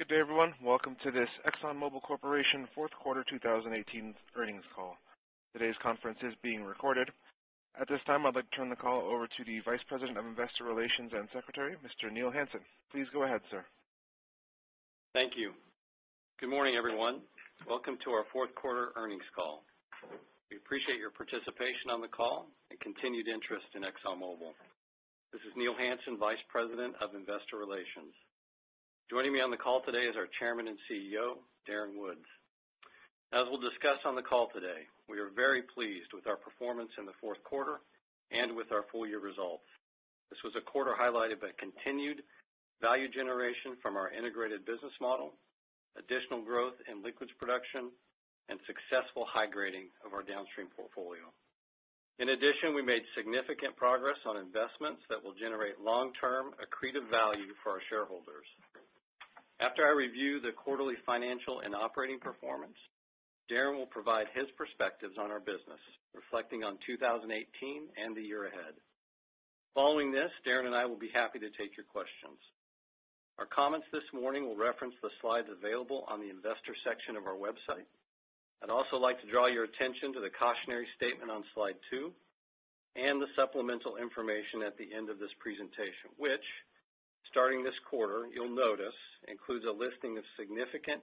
Good day, everyone. Welcome to this ExxonMobil Corporation fourth quarter 2018 earnings call. Today's conference is being recorded. At this time, I'd like to turn the call over to the Vice President of Investor Relations and Secretary, Mr. Neil Hansen. Please go ahead, sir. Thank you. Good morning, everyone. Welcome to our fourth quarter earnings call. We appreciate your participation on the call and continued interest in ExxonMobil. This is Neil Hansen, Vice President of Investor Relations. Joining me on the call today is our Chairman and CEO, Darren Woods. As we'll discuss on the call today, we are very pleased with our performance in the fourth quarter and with our full-year results. This was a quarter highlighted by continued value generation from our integrated business model, additional growth in liquids production, and successful high grading of our downstream portfolio. In addition, we made significant progress on investments that will generate long-term accretive value for our shareholders. After I review the quarterly financial and operating performance, Darren will provide his perspectives on our business, reflecting on 2018 and the year ahead. Following this, Darren and I will be happy to take your questions. Our comments this morning will reference the slides available on the investor section of our website. I'd also like to draw your attention to the cautionary statement on slide two and the supplemental information at the end of this presentation, which starting this quarter you'll notice includes a listing of significant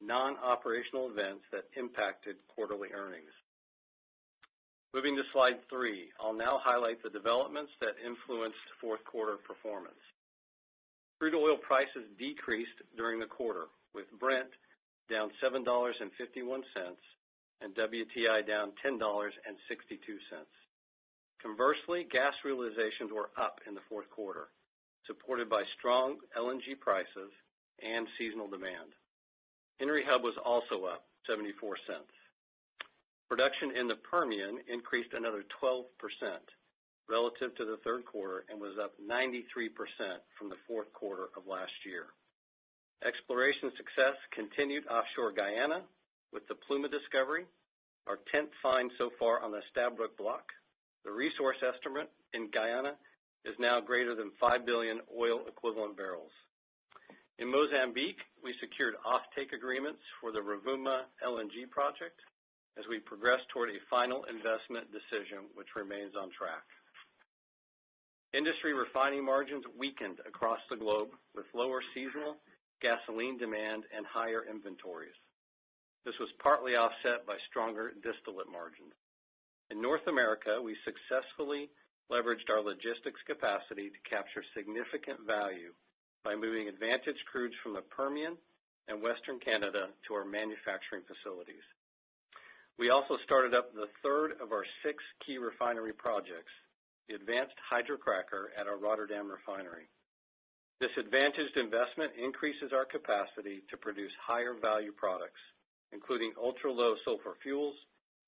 non-operational events that impacted quarterly earnings. Moving to slide three. I'll now highlight the developments that influenced fourth quarter performance. Crude oil prices decreased during the quarter, with Brent down $7.51 and WTI down $10.62. Conversely, gas realizations were up in the fourth quarter, supported by strong LNG prices and seasonal demand. Henry Hub was also up $0.74. Production in the Permian increased another 12% relative to the third quarter and was up 93% from the fourth quarter of last year. Exploration success continued offshore Guyana with the Pluma discovery, our 10th find so far on the Stabroek Block. The resource estimate in Guyana is now greater than 5 billion oil equivalent barrels. In Mozambique, we secured offtake agreements for the Rovuma LNG project as we progress toward a final investment decision, which remains on track. Industry refining margins weakened across the globe with lower seasonal gasoline demand and higher inventories. This was partly offset by stronger distillate margins. In North America, we successfully leveraged our logistics capacity to capture significant value by moving advantage crudes from the Permian and Western Canada to our manufacturing facilities. We also started up the third of our six key refinery projects, the Advanced Hydrocracker at our Rotterdam refinery. This advantaged investment increases our capacity to produce higher value products, including ultra-low sulfur fuels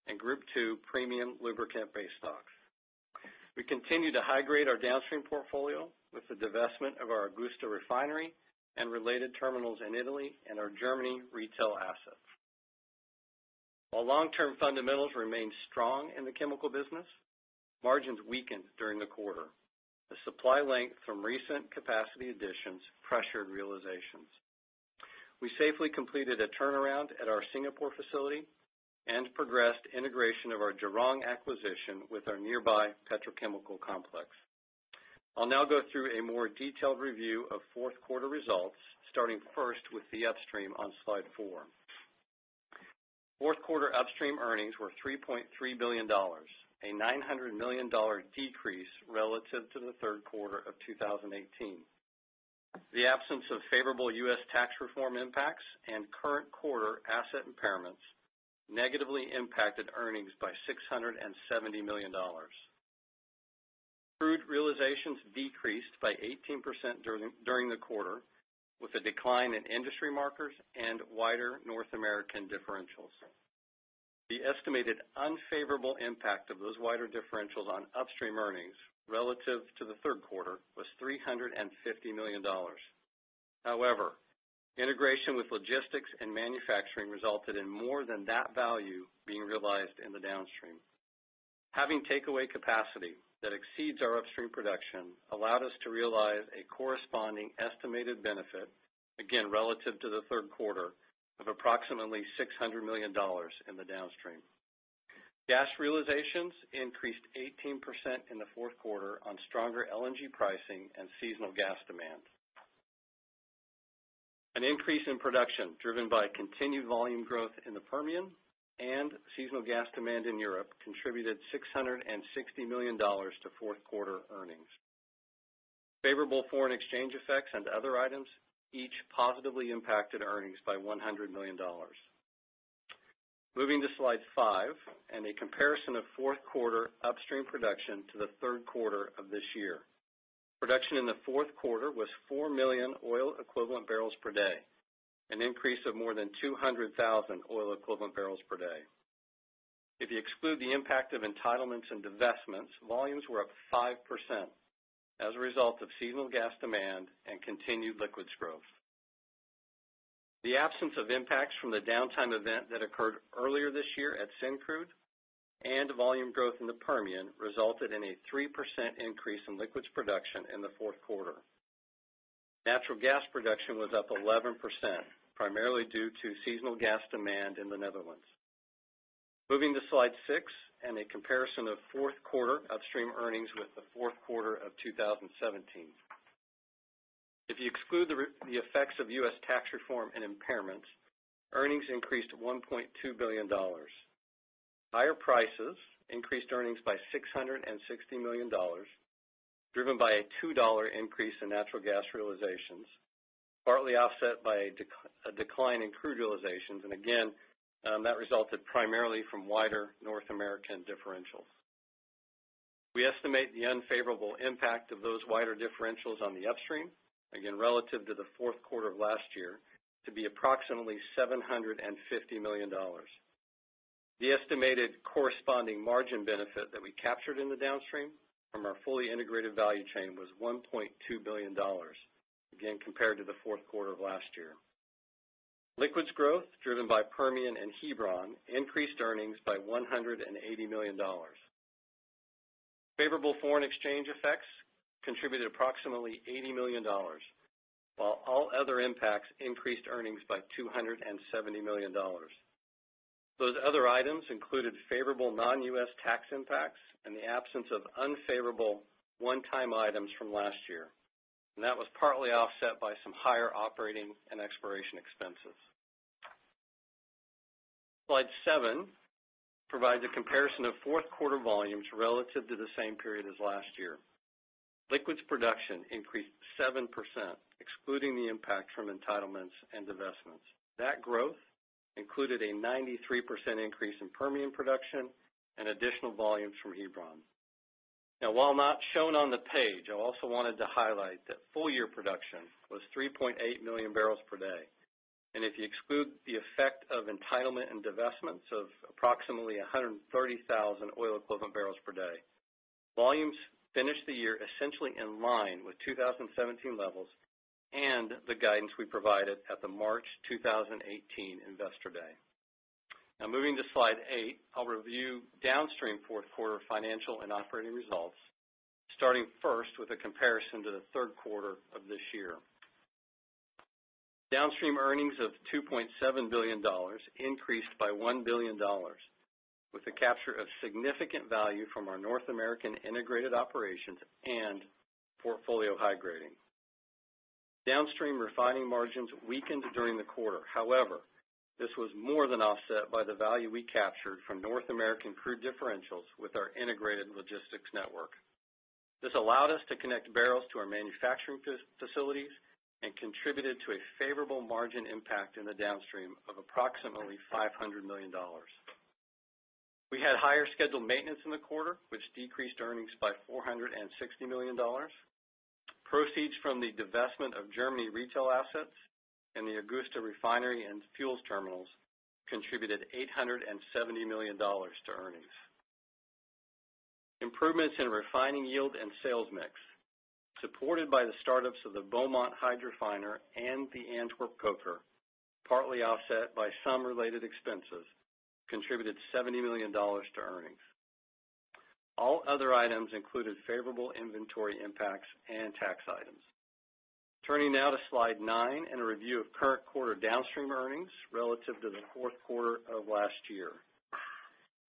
and Group II premium lubricant base stocks. We continue to high grade our downstream portfolio with the divestment of our Augusta refinery and related terminals in Italy and our Germany retail assets. While long-term fundamentals remain strong in the chemical business, margins weakened during the quarter. The supply length from recent capacity additions pressured realizations. We safely completed a turnaround at our Singapore facility and progressed integration of our Jurong acquisition with our nearby petrochemical complex. I'll now go through a more detailed review of fourth quarter results, starting first with the upstream on slide four. Fourth quarter upstream earnings were $3.3 billion, a $900 million decrease relative to the third quarter of 2018. The absence of favorable U.S. tax reform impacts and current quarter asset impairments negatively impacted earnings by $670 million. Crude realizations decreased by 18% during the quarter with a decline in industry markers and wider North American differentials. The estimated unfavorable impact of those wider differentials on upstream earnings relative to the third quarter was $350 million. However, integration with logistics and manufacturing resulted in more than that value being realized in the downstream. Having takeaway capacity that exceeds our upstream production allowed us to realize a corresponding estimated benefit, again, relative to the third quarter of approximately $600 million in the downstream. Gas realizations increased 18% in the fourth quarter on stronger LNG pricing and seasonal gas demand. An increase in production driven by continued volume growth in the Permian and seasonal gas demand in Europe contributed $660 million to fourth quarter earnings. Favorable foreign exchange effects and other items each positively impacted earnings by $100 million. Moving to slide five and a comparison of fourth quarter upstream production to the third quarter of this year. Production in the fourth quarter was 4 million oil equivalent barrels per day, an increase of more than 200,000 oil equivalent barrels per day. If you exclude the impact of entitlements and divestments, volumes were up 5% as a result of seasonal gas demand and continued liquids growth. The absence of impacts from the downtime event that occurred earlier this year at Syncrude and volume growth in the Permian resulted in a 3% increase in liquids production in the fourth quarter. Natural gas production was up 11%, primarily due to seasonal gas demand in the Netherlands. Moving to slide six and a comparison of fourth quarter upstream earnings with the fourth quarter of 2017. Higher prices increased earnings by $660 million, driven by a $2 increase in natural gas realizations, partly offset by a decline in crude realizations. Again, that resulted primarily from wider North American differentials. We estimate the unfavorable impact of those wider differentials on the upstream, again, relative to the fourth quarter of last year, to be approximately $750 million. The estimated corresponding margin benefit that we captured in the downstream from our fully integrated value chain was $1.2 billion, again, compared to the fourth quarter of last year. Liquids growth driven by Permian and Hebron increased earnings by $180 million. Favorable foreign exchange effects contributed approximately $80 million, while all other impacts increased earnings by $270 million. Those other items included favorable non-U.S. tax impacts and the absence of unfavorable one-time items from last year, and that was partly offset by some higher operating and exploration expenses. Slide seven provides a comparison of fourth quarter volumes relative to the same period as last year. Liquids production increased 7%, excluding the impact from entitlements and divestments. That growth included a 93% increase in Permian production and additional volumes from Hebron. While not shown on the page, I also wanted to highlight that full year production was 3.8 million barrels per day. If you exclude the effect of entitlement and divestments of approximately 130,000 oil equivalent barrels per day, volumes finished the year essentially in line with 2017 levels and the guidance we provided at the March 2018 Investor Day. Moving to slide eight, I'll review downstream fourth quarter financial and operating results, starting first with a comparison to the third quarter of this year. Downstream earnings of $2.7 billion increased by $1 billion with the capture of significant value from our North American integrated operations and portfolio high grading. Downstream refining margins weakened during the quarter. This was more than offset by the value we captured from North American crude differentials with our integrated logistics network. This allowed us to connect barrels to our manufacturing facilities and contributed to a favorable margin impact in the downstream of approximately $500 million. We had higher scheduled maintenance in the quarter, which decreased earnings by $460 million. Proceeds from the divestment of Germany retail assets and the Augusta Refinery and fuels terminals contributed $870 million to earnings. Improvements in refining yield and sales mix, supported by the startups of the Beaumont Hydrofiner and the Antwerp coker, partly offset by some related expenses, contributed $70 million to earnings. All other items included favorable inventory impacts and tax items. Turning now to slide nine and a review of current quarter downstream earnings relative to the fourth quarter of last year.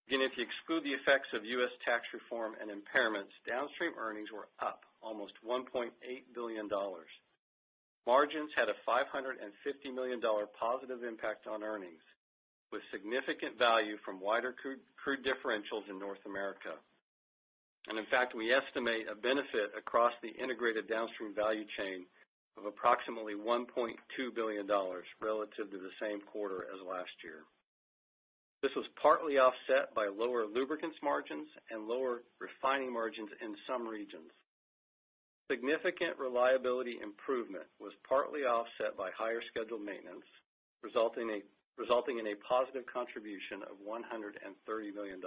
If you exclude the effects of U.S. tax reform and impairments, downstream earnings were up almost $1.8 billion. Margins had a $550 million positive impact on earnings, with significant value from wider crude differentials in North America. In fact, we estimate a benefit across the integrated downstream value chain of approximately $1.2 billion relative to the same quarter as last year. This was partly offset by lower lubricants margins and lower refining margins in some regions. Significant reliability improvement was partly offset by higher scheduled maintenance, resulting in a positive contribution of $130 million.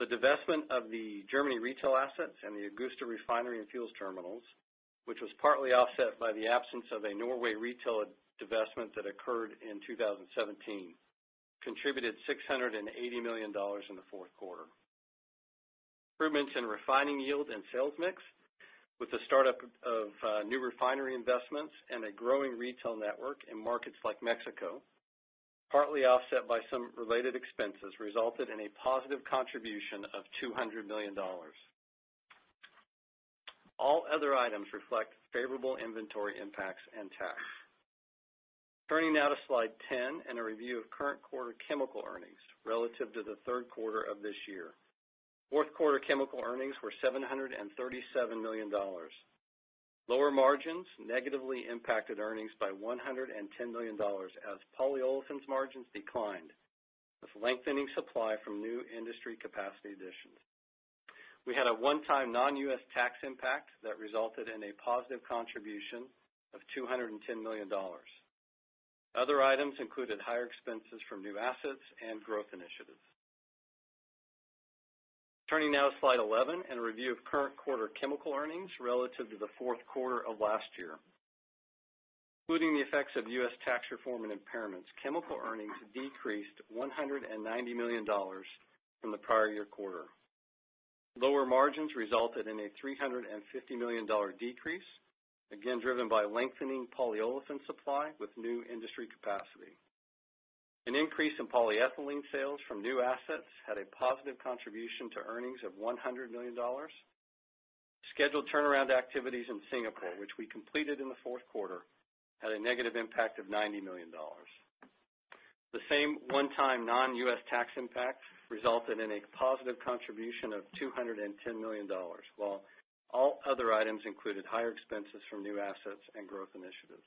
The divestment of the Germany retail assets and the Augusta Refinery and fuels terminals, which was partly offset by the absence of a Norway retail divestment that occurred in 2017, contributed $680 million in the fourth quarter. Improvements in refining yield and sales mix with the startup of new refinery investments and a growing retail network in markets like Mexico, partly offset by some related expenses, resulted in a positive contribution of $200 million. All other items reflect favorable inventory impacts and tax. Turning now to slide 10 and a review of current quarter chemical earnings relative to the third quarter of this year. Fourth quarter chemical earnings were $737 million. Lower margins negatively impacted earnings by $110 million as polyolefins margins declined with lengthening supply from new industry capacity additions. We had a one-time non-U.S. tax impact that resulted in a positive contribution of $210 million. Other items included higher expenses from new assets and growth initiatives. Turning now to slide 11 and a review of current quarter chemical earnings relative to the fourth quarter of last year. Including the effects of U.S. tax reform and impairments, chemical earnings decreased $190 million from the prior year quarter. Lower margins resulted in a $350 million decrease, again, driven by lengthening polyolefin supply with new industry capacity. An increase in polyethylene sales from new assets had a positive contribution to earnings of $100 million. Scheduled turnaround activities in Singapore, which we completed in the fourth quarter, had a negative impact of $90 million. The same one-time non-U.S. tax impact resulted in a positive contribution of $210 million, while all other items included higher expenses from new assets and growth initiatives.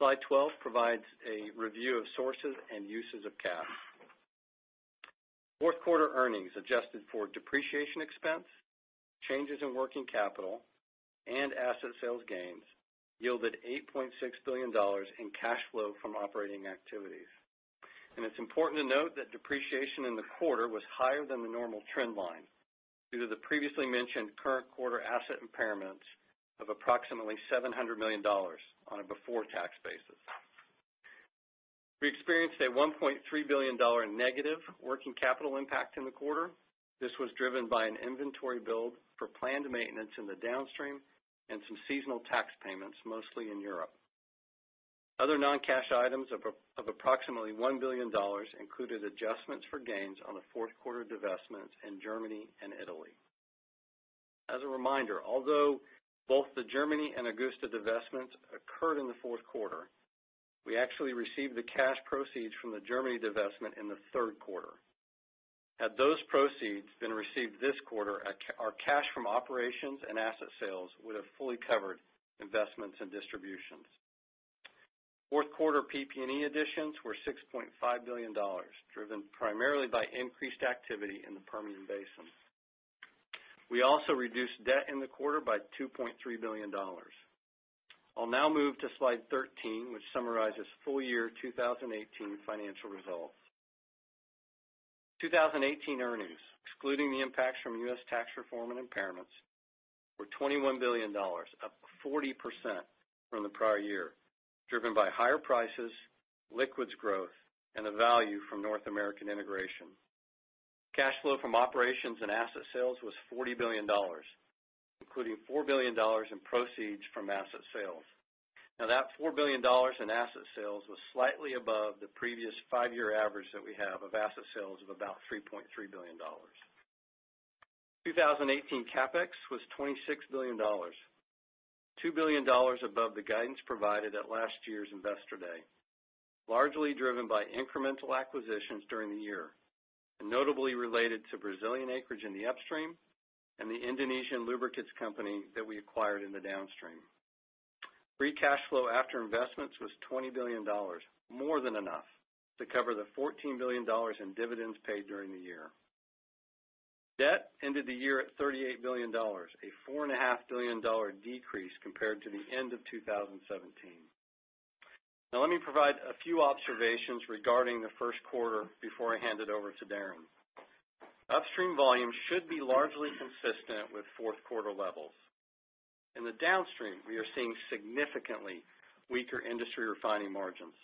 Slide 12 provides a review of sources and uses of cash. Fourth quarter earnings adjusted for depreciation expense, changes in working capital, and asset sales gains yielded $8.6 billion in cash flow from operating activities. It's important to note that depreciation in the quarter was higher than the normal trend line due to the previously mentioned current quarter asset impairments of approximately $700 million on a before-tax basis. We experienced a $1.3 billion negative working capital impact in the quarter. This was driven by an inventory build for planned maintenance in the downstream and some seasonal tax payments, mostly in Europe. Other non-cash items of approximately $1 billion included adjustments for gains on the fourth quarter divestments in Germany and Italy. As a reminder, although both the Germany and Augusta divestments occurred in the fourth quarter, we actually received the cash proceeds from the Germany divestment in the third quarter. Had those proceeds been received this quarter, our cash from operations and asset sales would've fully covered investments and distributions. Fourth quarter PP&E additions were $6.5 billion, driven primarily by increased activity in the Permian Basin. We also reduced debt in the quarter by $2.3 billion. I'll now move to slide 13, which summarizes full year 2018 financial results. 2018 earnings, excluding the impacts from U.S. tax reform and impairments, were $21 billion, up 40% from the prior year, driven by higher prices, liquids growth, and the value from North American integration. Cash flow from operations and asset sales was $40 billion, including $4 billion in proceeds from asset sales. That $4 billion in asset sales was slightly above the previous five-year average that we have of asset sales of about $3.3 billion. 2018 CapEx was $26 billion, $2 billion above the guidance provided at last year's Investor Day, largely driven by incremental acquisitions during the year, and notably related to Brazilian acreage in the upstream and the Indonesian lubricants company that we acquired in the downstream. Free cash flow after investments was $20 billion, more than enough to cover the $14 billion in dividends paid during the year. Debt ended the year at $38 billion, a $4.5 billion decrease compared to the end of 2017. Let me provide a few observations regarding the first quarter before I hand it over to Darren. Upstream volumes should be largely consistent with fourth quarter levels. In the downstream, we are seeing significantly weaker industry refining margins,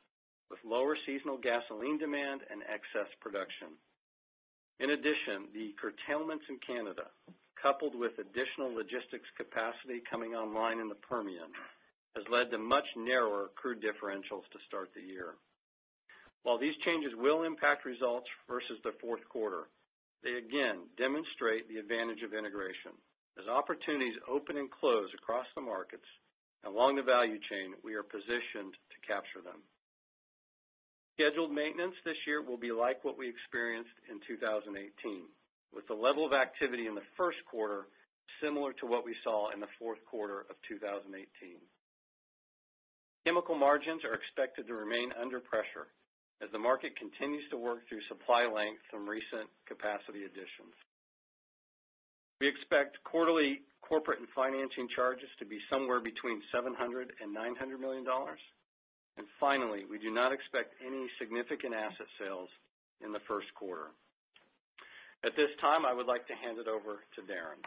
with lower seasonal gasoline demand and excess production. In addition, the curtailments in Canada, coupled with additional logistics capacity coming online in the Permian, has led to much narrower crude differentials to start the year. While these changes will impact results versus the fourth quarter, they again demonstrate the advantage of integration. As opportunities open and close across the markets and along the value chain, we are positioned to capture them. Scheduled maintenance this year will be like what we experienced in 2018, with the level of activity in the first quarter similar to what we saw in the fourth quarter of 2018. Chemical margins are expected to remain under pressure as the market continues to work through supply length from recent capacity additions. We expect quarterly corporate and financing charges to be somewhere between $700 million and $900 million. Finally, we do not expect any significant asset sales in the first quarter. At this time, I would like to hand it over to Darren.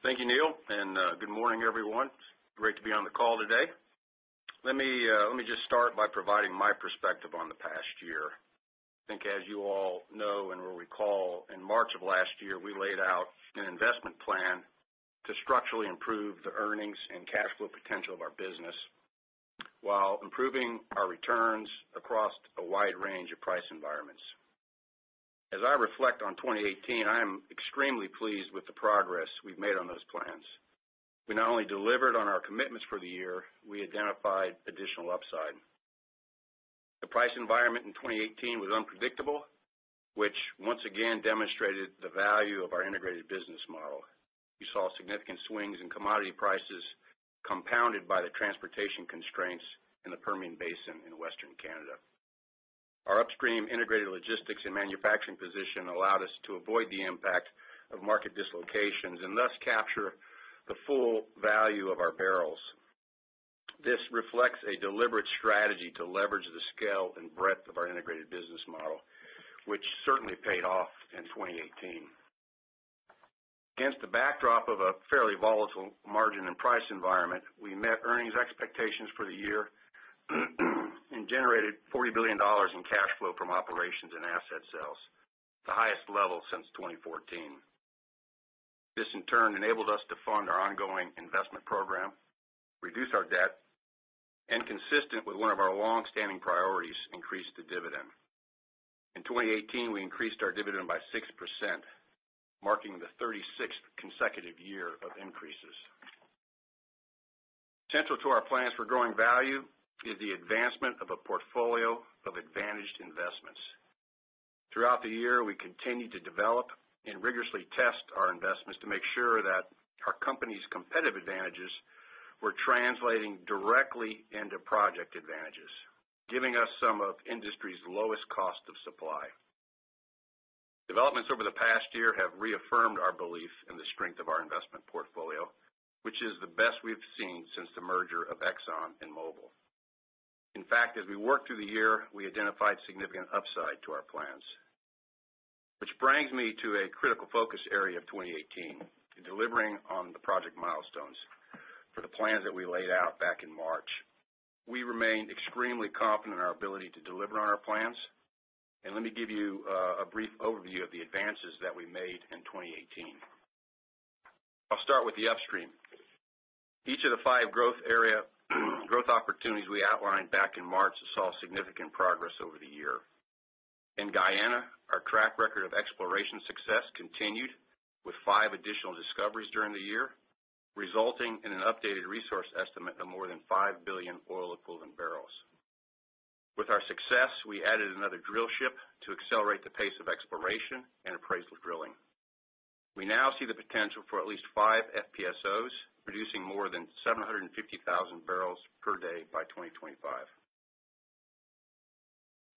Thank you, Neil. Good morning, everyone. Great to be on the call today. Let me just start by providing my perspective on the past year. I think as you all know and will recall, in March of last year, we laid out an investment plan to structurally improve the earnings and cash flow potential of our business while improving our returns across a wide range of price environments. As I reflect on 2018, I am extremely pleased with the progress we've made on those plans. We not only delivered on our commitments for the year, we identified additional upside. The price environment in 2018 was unpredictable, which once again demonstrated the value of our integrated business model. We saw significant swings in commodity prices, compounded by the transportation constraints in the Permian Basin in Western Canada. Our upstream integrated logistics and manufacturing position allowed us to avoid the impact of market dislocations, and thus capture the full value of our barrels. This reflects a deliberate strategy to leverage the scale and breadth of our integrated business model, which certainly paid off in 2018. Against the backdrop of a fairly volatile margin and price environment, we met earnings expectations for the year and generated $40 billion in cash flow from operations and asset sales, the highest level since 2014. This, in turn, enabled us to fund our ongoing investment program, reduce our debt, and consistent with one of our longstanding priorities, increase the dividend. In 2018, we increased our dividend by 6%, marking the 36th consecutive year of increases. Central to our plans for growing value is the advancement of a portfolio of advantaged investments. Throughout the year, we continued to develop and rigorously test our investments to make sure that our company's competitive advantages were translating directly into project advantages, giving us some of industry's lowest cost of supply. Developments over the past year have reaffirmed our belief in the strength of our investment portfolio, which is the best we've seen since the merger of Exxon and Mobil. In fact, as we worked through the year, we identified significant upside to our plans, which brings me to a critical focus area of 2018, in delivering on the project milestones for the plans that we laid out back in March. We remain extremely confident in our ability to deliver on our plans. Let me give you a brief overview of the advances that we made in 2018. I'll start with the upstream. Each of the five growth opportunities we outlined back in March saw significant progress over the year. In Guyana, our track record of exploration success continued with five additional discoveries during the year, resulting in an updated resource estimate of more than 5 billion oil-equivalent barrels. With our success, we added another drillship to accelerate the pace of exploration and appraisal drilling. We now see the potential for at least five FPSOs producing more than 750,000 bbl per day by 2025.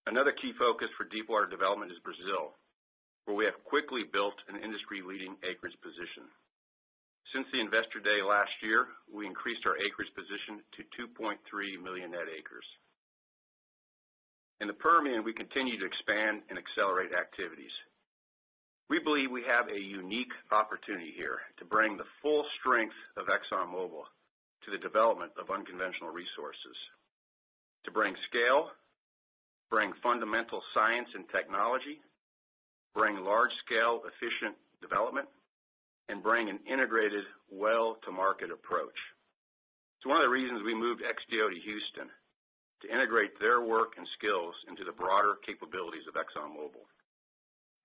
Another key focus for deepwater development is Brazil, where we have quickly built an industry-leading acreage position. Since the Investor Day last year, we increased our acreage position to 2.3 million net acres. In the Permian, we continue to expand and accelerate activities. We believe we have a unique opportunity here to bring the full strength of ExxonMobil to the development of unconventional resources, to bring scale, bring fundamental science and technology, bring large-scale efficient development, and bring an integrated well-to-market approach. It's one of the reasons we moved XTO to Houston to integrate their work and skills into the broader capabilities of ExxonMobil.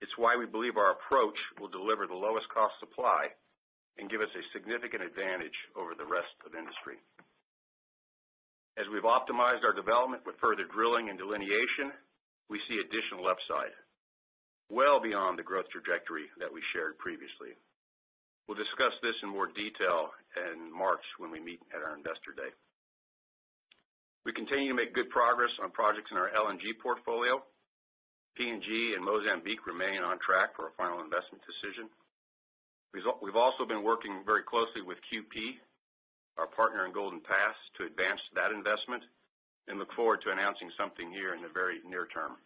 It's why we believe our approach will deliver the lowest cost supply and give us a significant advantage over the rest of the industry. As we've optimized our development with further drilling and delineation, we see additional upside well beyond the growth trajectory that we shared previously. We'll discuss this in more detail in March when we meet at our Investor Day. We continue to make good progress on projects in our LNG portfolio. PNG and Mozambique remain on track for a final investment decision. We've also been working very closely with QP, our partner in Golden Pass, to advance that investment and look forward to announcing something here in the very near term.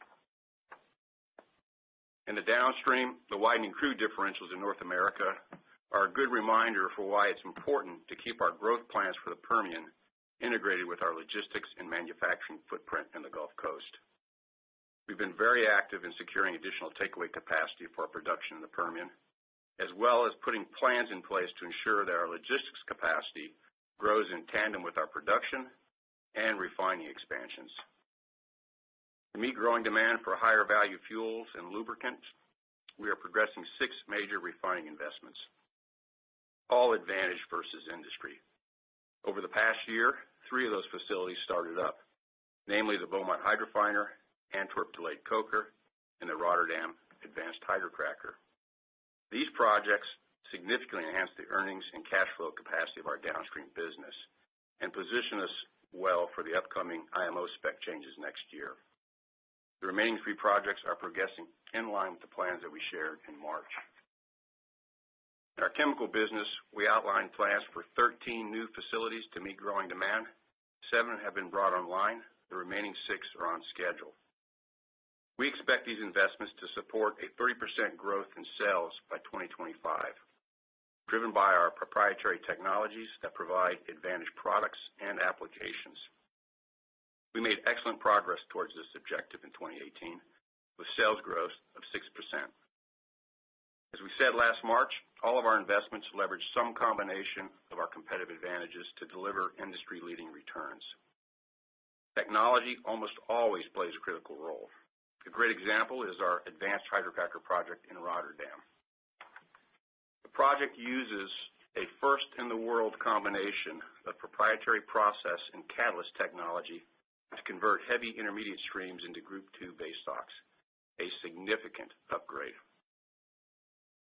In the downstream, the widening crude differentials in North America are a good reminder for why it's important to keep our growth plans for the Permian integrated with our logistics and manufacturing footprint in the Gulf Coast. We've been very active in securing additional takeaway capacity for our production in the Permian, as well as putting plans in place to ensure that our logistics capacity grows in tandem with our production and refining expansions. To meet growing demand for higher value fuels and lubricants, we are progressing six major refining investments, all advantage versus industry. Over the past year, three of those facilities started up, namely the Beaumont Hydrofiner, Antwerp Delayed Coker, and the Rotterdam Advanced Hydrocracker. These projects significantly enhance the earnings and cash flow capacity of our downstream business and position us well for the upcoming IMO spec changes next year. The remaining three projects are progressing in line with the plans that we shared in March. In our chemical business, we outlined plans for 13 new facilities to meet growing demand. Seven have been brought online. The remaining six are on schedule. We expect these investments to support a 30% growth in sales by 2025, driven by our proprietary technologies that provide advantage products and applications. We made excellent progress towards this objective in 2018, with sales growth of 6%. As we said last March, all of our investments leverage some combination of our competitive advantages to deliver industry-leading returns. Technology almost always plays a critical role. A great example is our Advanced Hydrocracker project in Rotterdam. The project uses a first-in-the-world combination of proprietary process and catalyst technology to convert heavy intermediate streams into Group II base stocks, a significant upgrade.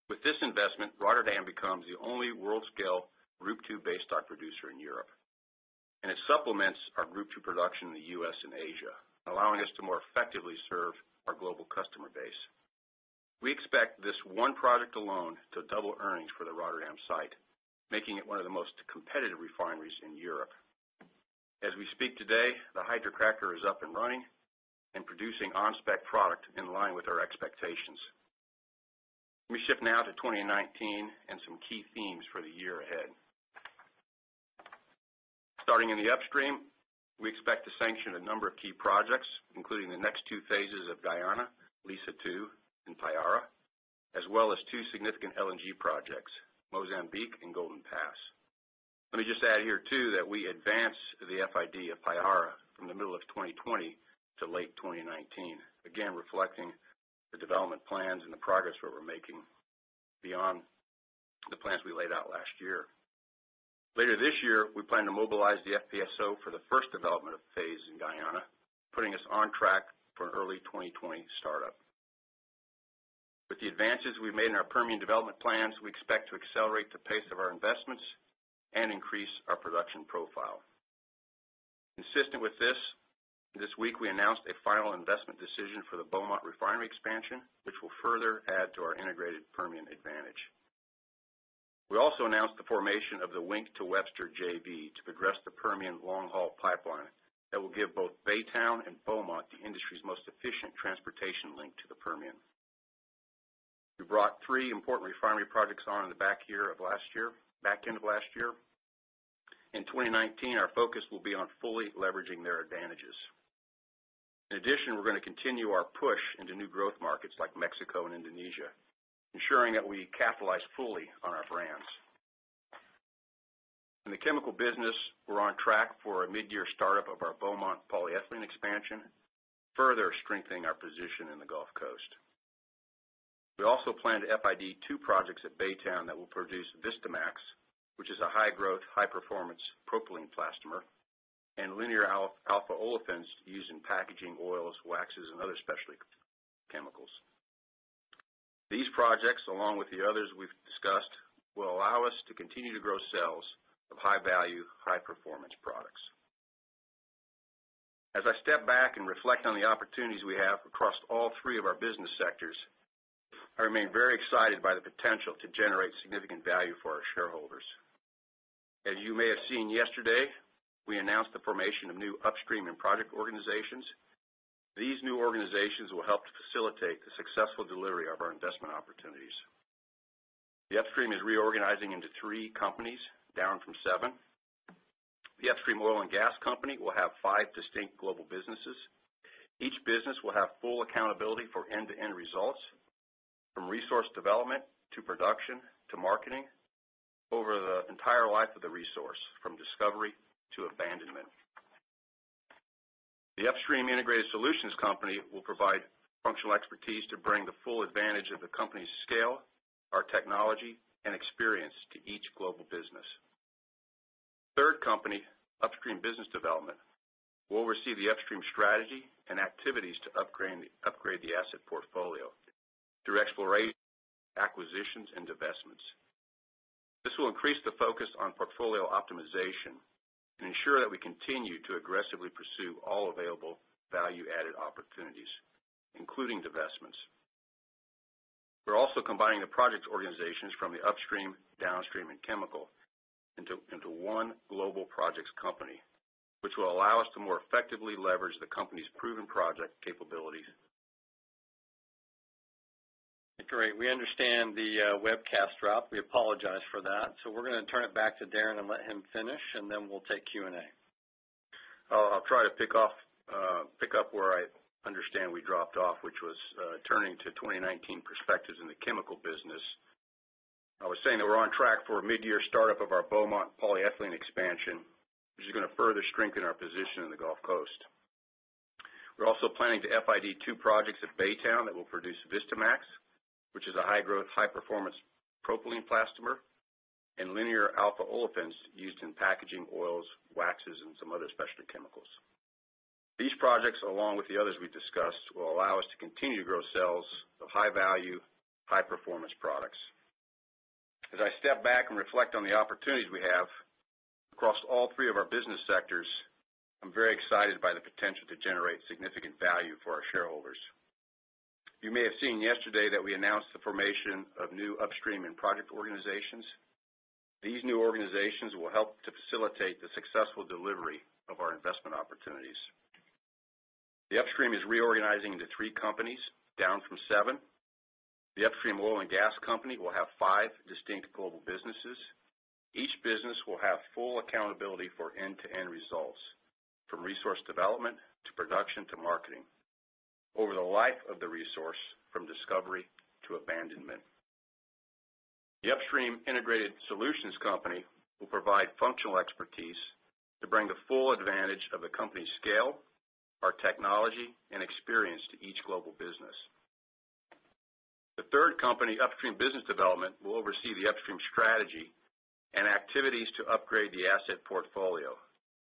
With this investment, Rotterdam becomes the only world-scale Group II base stock producer in Europe, and it supplements our Group II production in the U.S. and Asia, allowing us to more effectively serve our global customer base. We expect this one project alone to double earnings for the Rotterdam site, making it one of the most competitive refineries in Europe. As we speak today, the hydrocracker is up and running and producing on-spec product in line with our expectations. We shift now to 2019 and some key themes for the year ahead. Starting in the upstream, we expect to sanction a number of key projects, including the next two phases of Guyana, Liza 2 and Payara, as well as two significant LNG projects, Mozambique and Golden Pass. Let me just add here too, that we advanced the FID of Payara from the middle of 2020 to late 2019, again, reflecting the development plans and the progress that we're making beyond the plans we laid out last year. Later this year, we plan to mobilize the FPSO for the first development phase in Guyana, putting us on track for an early 2020 startup. With the advances we've made in our Permian development plans, we expect to accelerate the pace of our investments and increase our production profile. Consistent with this week we announced a final investment decision for the Beaumont refinery expansion, which will further add to our integrated Permian advantage. We also announced the formation of the Wink to Webster JV to address the Permian long-haul pipeline that will give both Baytown and Beaumont the industry's most efficient transportation link to the Permian. We brought three important refinery projects on in the back end of last year. In 2019, our focus will be on fully leveraging their advantages. In addition, we're going to continue our push into new growth markets like Mexico and Indonesia, ensuring that we capitalize fully on our brands. In the chemical business, we're on track for a mid-year startup of our Beaumont polyethylene expansion, further strengthening our position in the Gulf Coast. We also plan to FID two projects at Baytown that will produce Vistamaxx, which is a high-growth, high-performance propylene plastomer and linear alpha olefins used in packaging oils, waxes, and other specialty chemicals. These projects, along with the others we've discussed, will allow us to continue to grow sales of high-value, high-performance products. As I step back and reflect on the opportunities we have across all three of our business sectors, I remain very excited by the potential to generate significant value for our shareholders. As you may have seen yesterday, we announced the formation of new upstream and project organizations. These new organizations will help to facilitate the successful delivery of our investment opportunities. The upstream is reorganizing into three companies, down from seven. The upstream oil and gas company will have five distinct global businesses. Each business will have full accountability for end-to-end results, from resource development to production to marketing over the entire life of the resource, from discovery to abandonment. The upstream integrated solutions company will provide functional expertise to bring the full advantage of the company's scale, our technology, and experience to each global business. Third company, upstream business development, will oversee the upstream strategy and activities to upgrade the asset portfolio through exploration, acquisitions, and divestments. This will increase the focus on portfolio optimization and ensure that we continue to aggressively pursue all available value-added opportunities, including divestments. We're also combining the project organizations from the upstream, downstream, and chemical into one global projects company, which will allow us to more effectively leverage the company's proven project capabilities. We understand the webcast dropped. We apologize for that. We're going to turn it back to Darren and let him finish, and then we'll take Q&A. I'll try to pick up where I understand we dropped off, which was turning to 2019 perspectives in the chemical business. I was saying that we're on track for a mid-year startup of our Beaumont polyethylene expansion, which is going to further strengthen our position in the Gulf Coast. We're also planning to FID two projects at Baytown that will produce Vistamaxx, which is a high-growth, high-performance propylene plastomer and linear alpha olefins used in packaging oils, waxes, and some other specialty chemicals. These projects, along with the others we've discussed, will allow us to continue to grow sales of high-value, high-performance products. As I step back and reflect on the opportunities we have across all three of our business sectors, I'm very excited by the potential to generate significant value for our shareholders. You may have seen yesterday that we announced the formation of new upstream and project organizations. These new organizations will help to facilitate the successful delivery of our investment opportunities. The upstream is reorganizing into three companies, down from seven. The Upstream Oil and Gas Company will have five distinct global businesses. Each business will have full accountability for end-to-end results, from resource development to production to marketing over the life of the resource from discovery to abandonment. The Upstream Integrated Solutions Company will provide functional expertise to bring the full advantage of the company's scale, our technology, and experience to each global business. The third company, Upstream Business Development, will oversee the upstream strategy and activities to upgrade the asset portfolio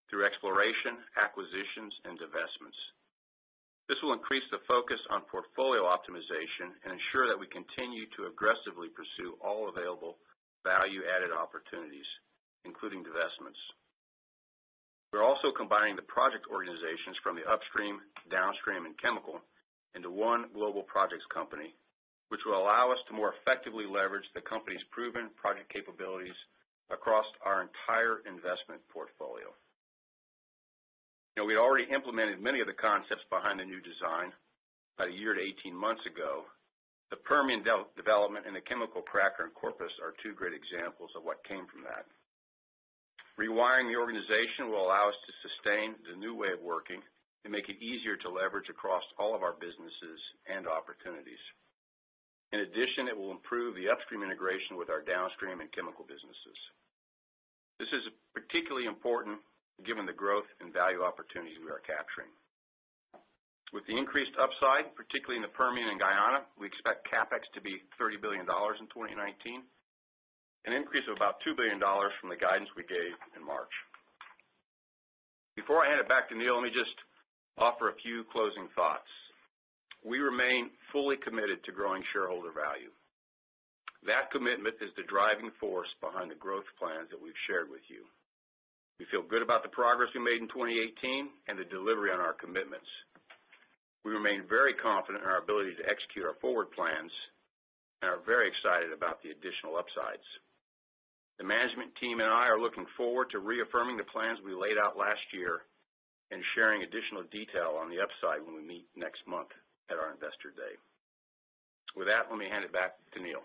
through exploration, acquisitions, and divestments. This will increase the focus on portfolio optimization and ensure that we continue to aggressively pursue all available value-added opportunities, including divestments. We're also combining the project organizations from the upstream, downstream, and chemical into one Global Projects Company, which will allow us to more effectively leverage the company's proven project capabilities across our entire investment portfolio. Now we'd already implemented many of the concepts behind the new design about a year to 18 months ago. The Permian development and the chemical cracker in Corpus are two great examples of what came from that. Rewiring the organization will allow us to sustain the new way of working and make it easier to leverage across all of our businesses and opportunities. In addition, it will improve the upstream integration with our downstream and chemical businesses. This is particularly important given the growth and value opportunities we are capturing. With the increased upside, particularly in the Permian and Guyana, we expect CapEx to be $30 billion in 2019, an increase of about $2 billion from the guidance we gave in March. Before I hand it back to Neil, let me just offer a few closing thoughts. We remain fully committed to growing shareholder value. That commitment is the driving force behind the growth plans that we've shared with you. We feel good about the progress we made in 2018 and the delivery on our commitments. We remain very confident in our ability to execute our forward plans and are very excited about the additional upsides. The management team and I are looking forward to reaffirming the plans we laid out last year and sharing additional detail on the upside when we meet next month at our Investor Day. With that, let me hand it back to Neil.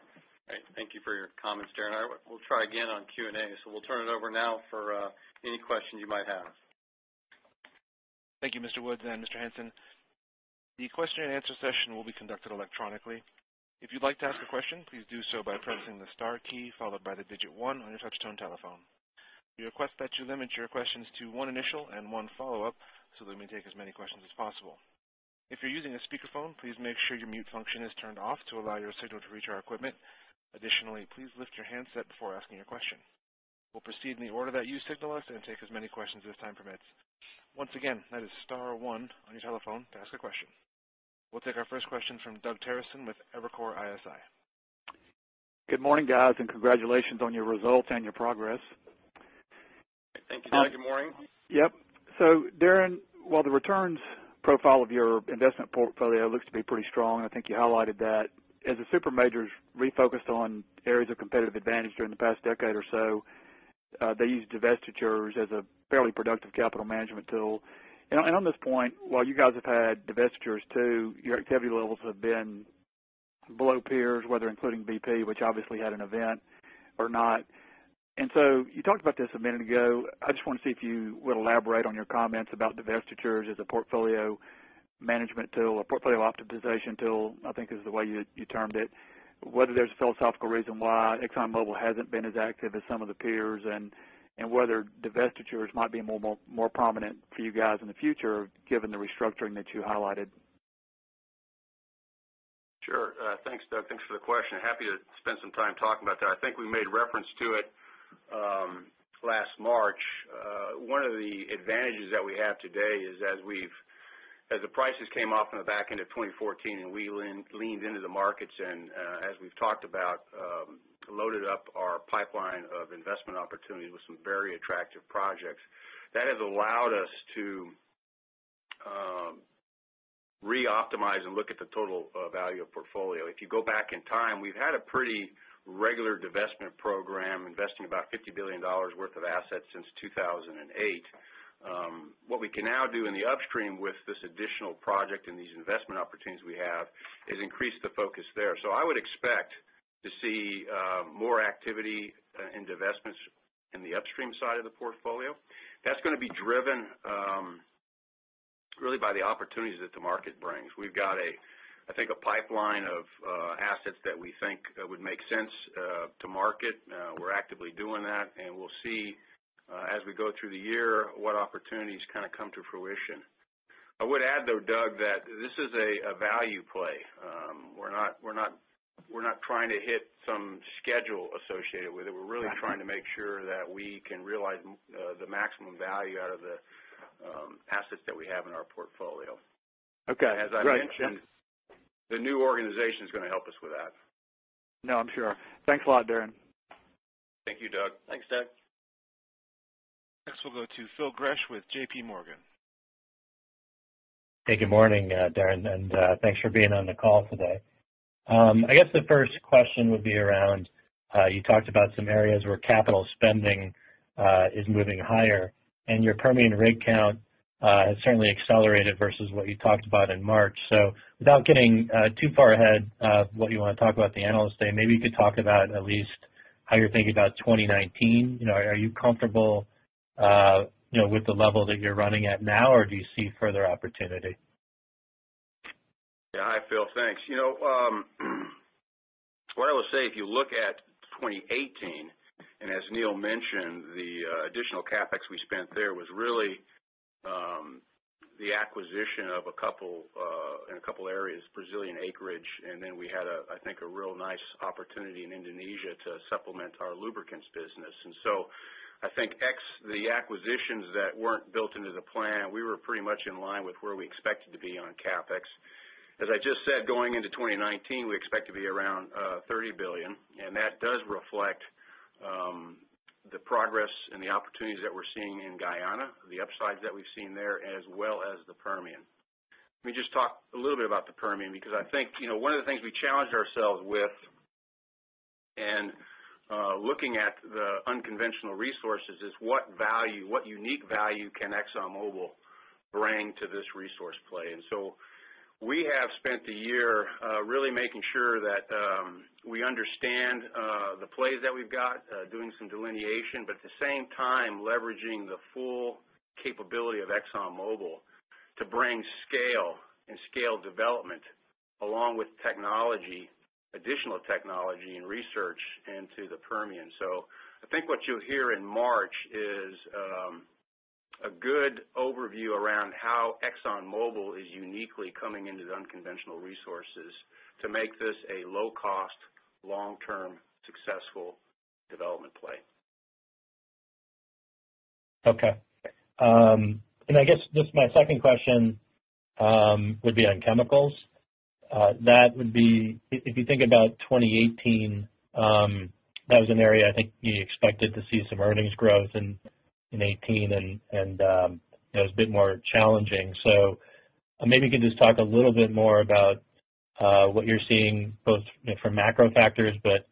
Thank you for your comments, Darren. We'll try again on Q&A. We'll turn it over now for any questions you might have. Thank you, Mr. Woods and Mr. Hansen. The question and answer session will be conducted electronically. If you'd like to ask a question, please do so by pressing the star key followed by the digit one on your touch-tone telephone. We request that you limit your questions to one initial and one follow-up so that we may take as many questions as possible. If you're using a speakerphone, please make sure your mute function is turned off to allow your signal to reach our equipment. Additionally, please lift your handset before asking a question. We'll proceed in the order that you signal us and take as many questions as time permits. Once again, that is star, one on your telephone to ask a question. We'll take our first question from Doug Terreson with Evercore ISI. Good morning, guys, and congratulations on your results and your progress. Thank you, Doug. Good morning. Darren, while the returns profile of your investment portfolio looks to be pretty strong, and I think you highlighted that, as the supermajors refocused on areas of competitive advantage during the past decade or so, they used divestitures as a fairly productive capital management tool. On this point, while you guys have had divestitures too, your activity levels have been below peers, whether including BP, which obviously had an event or not. You talked about this a minute ago. I just want to see if you would elaborate on your comments about divestitures as a portfolio management tool, a portfolio optimization tool, I think is the way you termed it, whether there's a philosophical reason why ExxonMobil hasn't been as active as some of the peers, and whether divestitures might be more prominent for you guys in the future given the restructuring that you highlighted? Thanks, Doug. Thanks for the question. Happy to spend some time talking about that. I think we made reference to it last March. One of the advantages that we have today is as the prices came up in the back end of 2014 and we leaned into the markets and as we've talked about loaded up our pipeline of investment opportunities with some very attractive projects. That has allowed us to re-optimize and look at the total value of portfolio. If you go back in time, we've had a pretty regular divestment program investing about $50 billion worth of assets since 2008. What we can now do in the upstream with this additional project and these investment opportunities we have is increase the focus there. I would expect to see more activity in divestments in the upstream side of the portfolio. That's going to be driven really by the opportunities that the market brings. We've got I think a pipeline of assets that we think would make sense to market. We're actively doing that, and we'll see as we go through the year what opportunities kind of come to fruition. I would add, though, Doug, that this is a value play. We're not trying to hit some schedule associated with it. We're really trying to make sure that we can realize the maximum value out of the assets that we have in our portfolio. As I mentioned, the new organization is going to help us with that. I'm sure. Thanks a lot, Darren. Thank you, Doug. Thanks, Doug. Next, we will go to Phil Gresh with JPMorgan. Good morning, Darren, and thanks for being on the call today. I guess the first question would be around you talked about some areas where capital spending is moving higher, and your Permian rig count has certainly accelerated versus what you talked about in March. Without getting too far ahead of what you want to talk about at the Analyst Day, maybe you could talk about at least how you are thinking about 2019? Are you comfortable with the level that you are running at now, or do you see further opportunity? Hi, Phil. Thanks. What I will say, if you look at 2018, as Neil mentioned, the additional CapEx we spent there was really the acquisition of a couple in a couple areas, Brazilian acreage, and then we had I think a real nice opportunity in Indonesia to supplement our lubricants business. I think ex the acquisitions that weren't built into the plan, we were pretty much in line with where we expected to be on CapEx. As I just said, going into 2019, we expect to be around $30 billion. That does reflect the progress and the opportunities that we're seeing in Guyana, the upsides that we've seen there, as well as the Permian. Let me just talk a little bit about the Permian, because I think one of the things we challenged ourselves with in looking at the unconventional resources is what unique value can ExxonMobil bring to this resource play? We have spent the year really making sure that we understand the plays that we've got, doing some delineation, but at the same time, leveraging the full capability of ExxonMobil to bring scale and scale development along with additional technology and research into the Permian. I think what you'll hear in March is a good overview around how ExxonMobil is uniquely coming into the unconventional resources to make this a low-cost, long-term, successful development play. I guess just my second question would be on chemicals. If you think about 2018, that was an area I think you expected to see some earnings growth in 2018, and that was a bit more challenging. Maybe you could just talk a little bit more about what you're seeing both from macro factors, but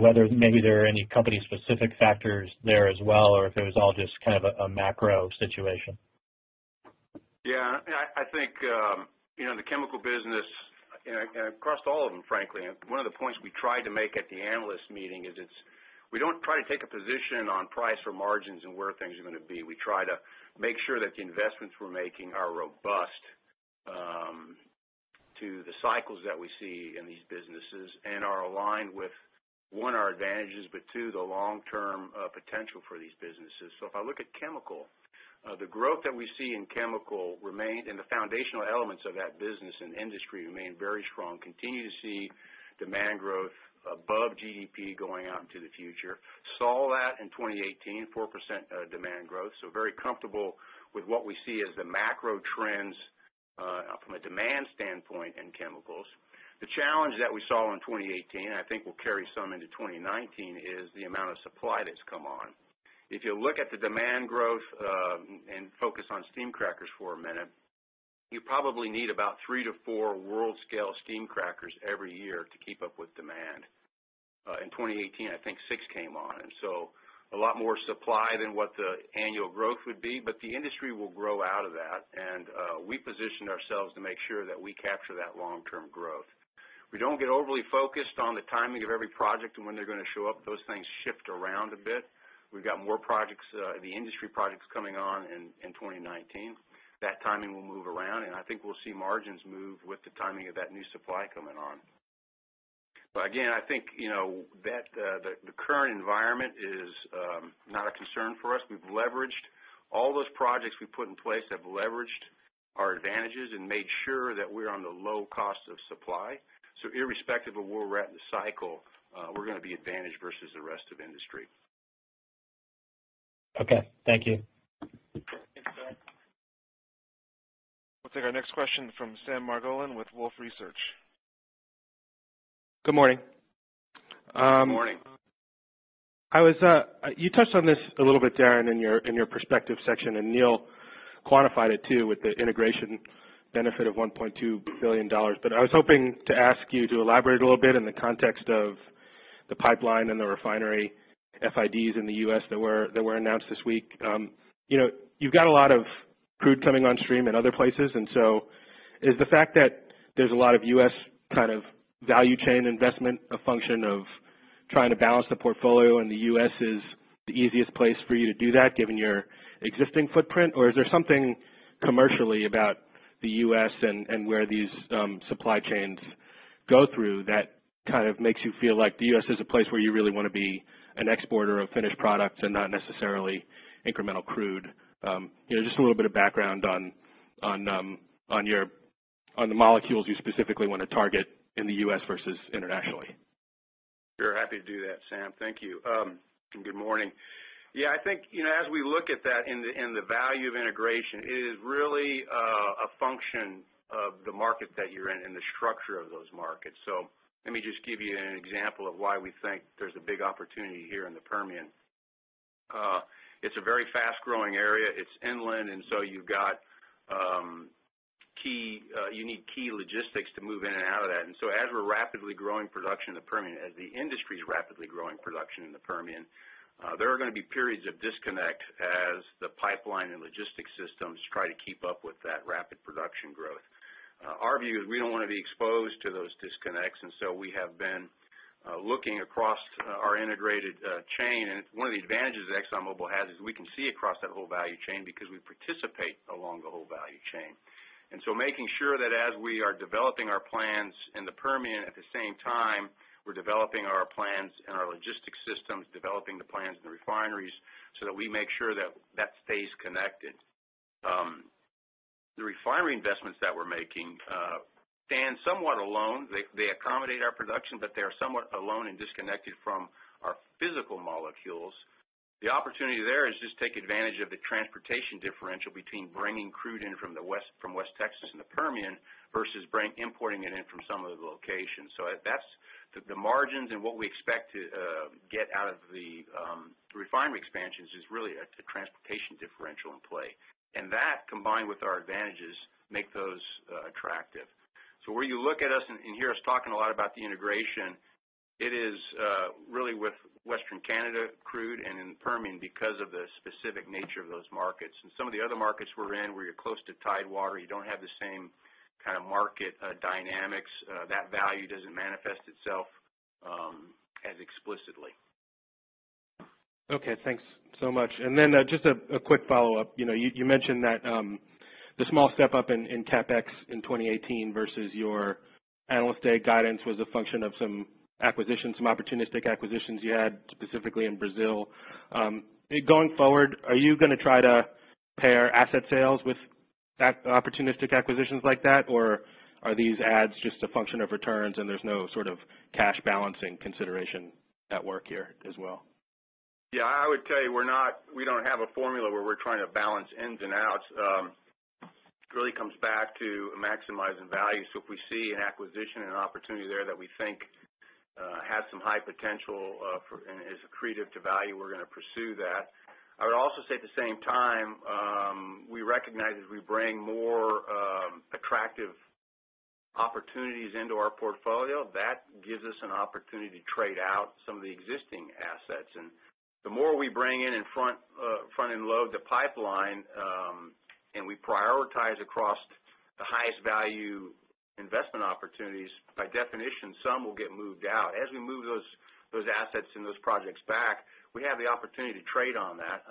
whether maybe there are any company specific factors there as well, or if it was all just a macro situation. I think the chemical business, across all of them, frankly, one of the points we tried to make at the analyst meeting is we don't try to take a position on price or margins and where things are going to be. We try to make sure that the investments we're making are robust to the cycles that we see in these businesses, and are aligned with, one, our advantages, but two, the long-term potential for these businesses. If I look at chemical, the growth that we see in chemical and the foundational elements of that business and industry remain very strong. Continue to see demand growth above GDP going out into the future. Saw that in 2018, 4% demand growth. Very comfortable with what we see as the macro trends from a demand standpoint in chemicals. The challenge that we saw in 2018, and I think will carry some into 2019, is the amount of supply that's come on. If you look at the demand growth and focus on steam crackers for a minute, you probably need about three to four world-scale steam crackers every year to keep up with demand. In 2018, I think six came on. A lot more supply than what the annual growth would be. The industry will grow out of that, and we positioned ourselves to make sure that we capture that long-term growth. We don't get overly focused on the timing of every project and when they're going to show up. Those things shift around a bit. We've got more industry projects coming on in 2019. That timing will move around, and I think we'll see margins move with the timing of that new supply coming on. Again, I think the current environment is not a concern for us. All those projects we put in place have leveraged our advantages and made sure that we're on the low cost of supply. Irrespective of where we're at in the cycle, we're going to be advantaged versus the rest of the industry. Thank you. We'll take our next question from Sam Margolin with Wolfe Research. Good morning. Good morning. You touched on this a little bit, Darren, in your perspective section, and Neil quantified it too with the integration benefit of $1.2 billion. I was hoping to ask you to elaborate a little bit in the context of the pipeline and the refinery FIDs in the U.S. that were announced this week. You've got a lot of crude coming on stream in other places. Is the fact that there's a lot of U.S. value chain investment a function of trying to balance the portfolio and the U.S. is the easiest place for you to do that given your existing footprint? Or is there something commercially about the U.S. and where these supply chains go through that makes you feel like the U.S. is a place where you really want to be an exporter of finished products and not necessarily incremental crude? Just a little bit of background on the molecules you specifically want to target in the U.S. versus internationally. Happy to do that, Sam. Thank you. Good morning. I think as we look at that and the value of integration, it is really a function of the market that you're in and the structure of those markets. Let me just give you an example of why we think there's a big opportunity here in the Permian. It's a very fast-growing area. It's inland, you need key logistics to move in and out of that. As we're rapidly growing production in the Permian, as the industry's rapidly growing production in the Permian, there are going to be periods of disconnect as the pipeline and logistics systems try to keep up with that rapid production growth. Our view is we don't want to be exposed to those disconnects, we have been looking across our integrated chain. One of the advantages ExxonMobil has is we can see across that whole value chain because we participate along the whole value chain. Making sure that as we are developing our plans in the Permian, at the same time, we're developing our plans and our logistics systems, developing the plans and the refineries so that we make sure that stays connected. The refinery investments that we're making stand somewhat alone. They accommodate our production, but they are somewhat alone and disconnected from our physical molecules. The opportunity there is just take advantage of the transportation differential between bringing crude in from West Texas and the Permian versus importing it in from some other location. The margins and what we expect to get out of the refinery expansions is really a transportation differential in play. That, combined with our advantages, make those attractive. Where you look at us and hear us talking a lot about the integration, it is really with Western Canada crude and in Permian because of the specific nature of those markets. In some of the other markets we're in, where you're close to tidewater, you don't have the same kind of market dynamics. That value doesn't manifest itself as explicitly. Thanks so much. Just a quick follow-up. You mentioned that the small step-up in CapEx in 2018 versus your analyst day guidance was a function of some opportunistic acquisitions you had, specifically in Brazil. Going forward, are you going to try to pair asset sales with opportunistic acquisitions like that, or are these adds just a function of returns and there's no sort of cash balancing consideration at work here as well? I would tell you we don't have a formula where we're trying to balance ins and outs. It really comes back to maximizing value. If we see an acquisition and an opportunity there that we think has some high potential and is accretive to value, we're going to pursue that. I would also say at the same time, we recognize as we bring more attractive opportunities into our portfolio, that gives us an opportunity to trade out some of the existing assets. The more we bring in in front-end load the pipeline, and we prioritize across the highest value investment opportunities, by definition, some will get moved out. As we move those assets and those projects back, we have the opportunity to trade on that.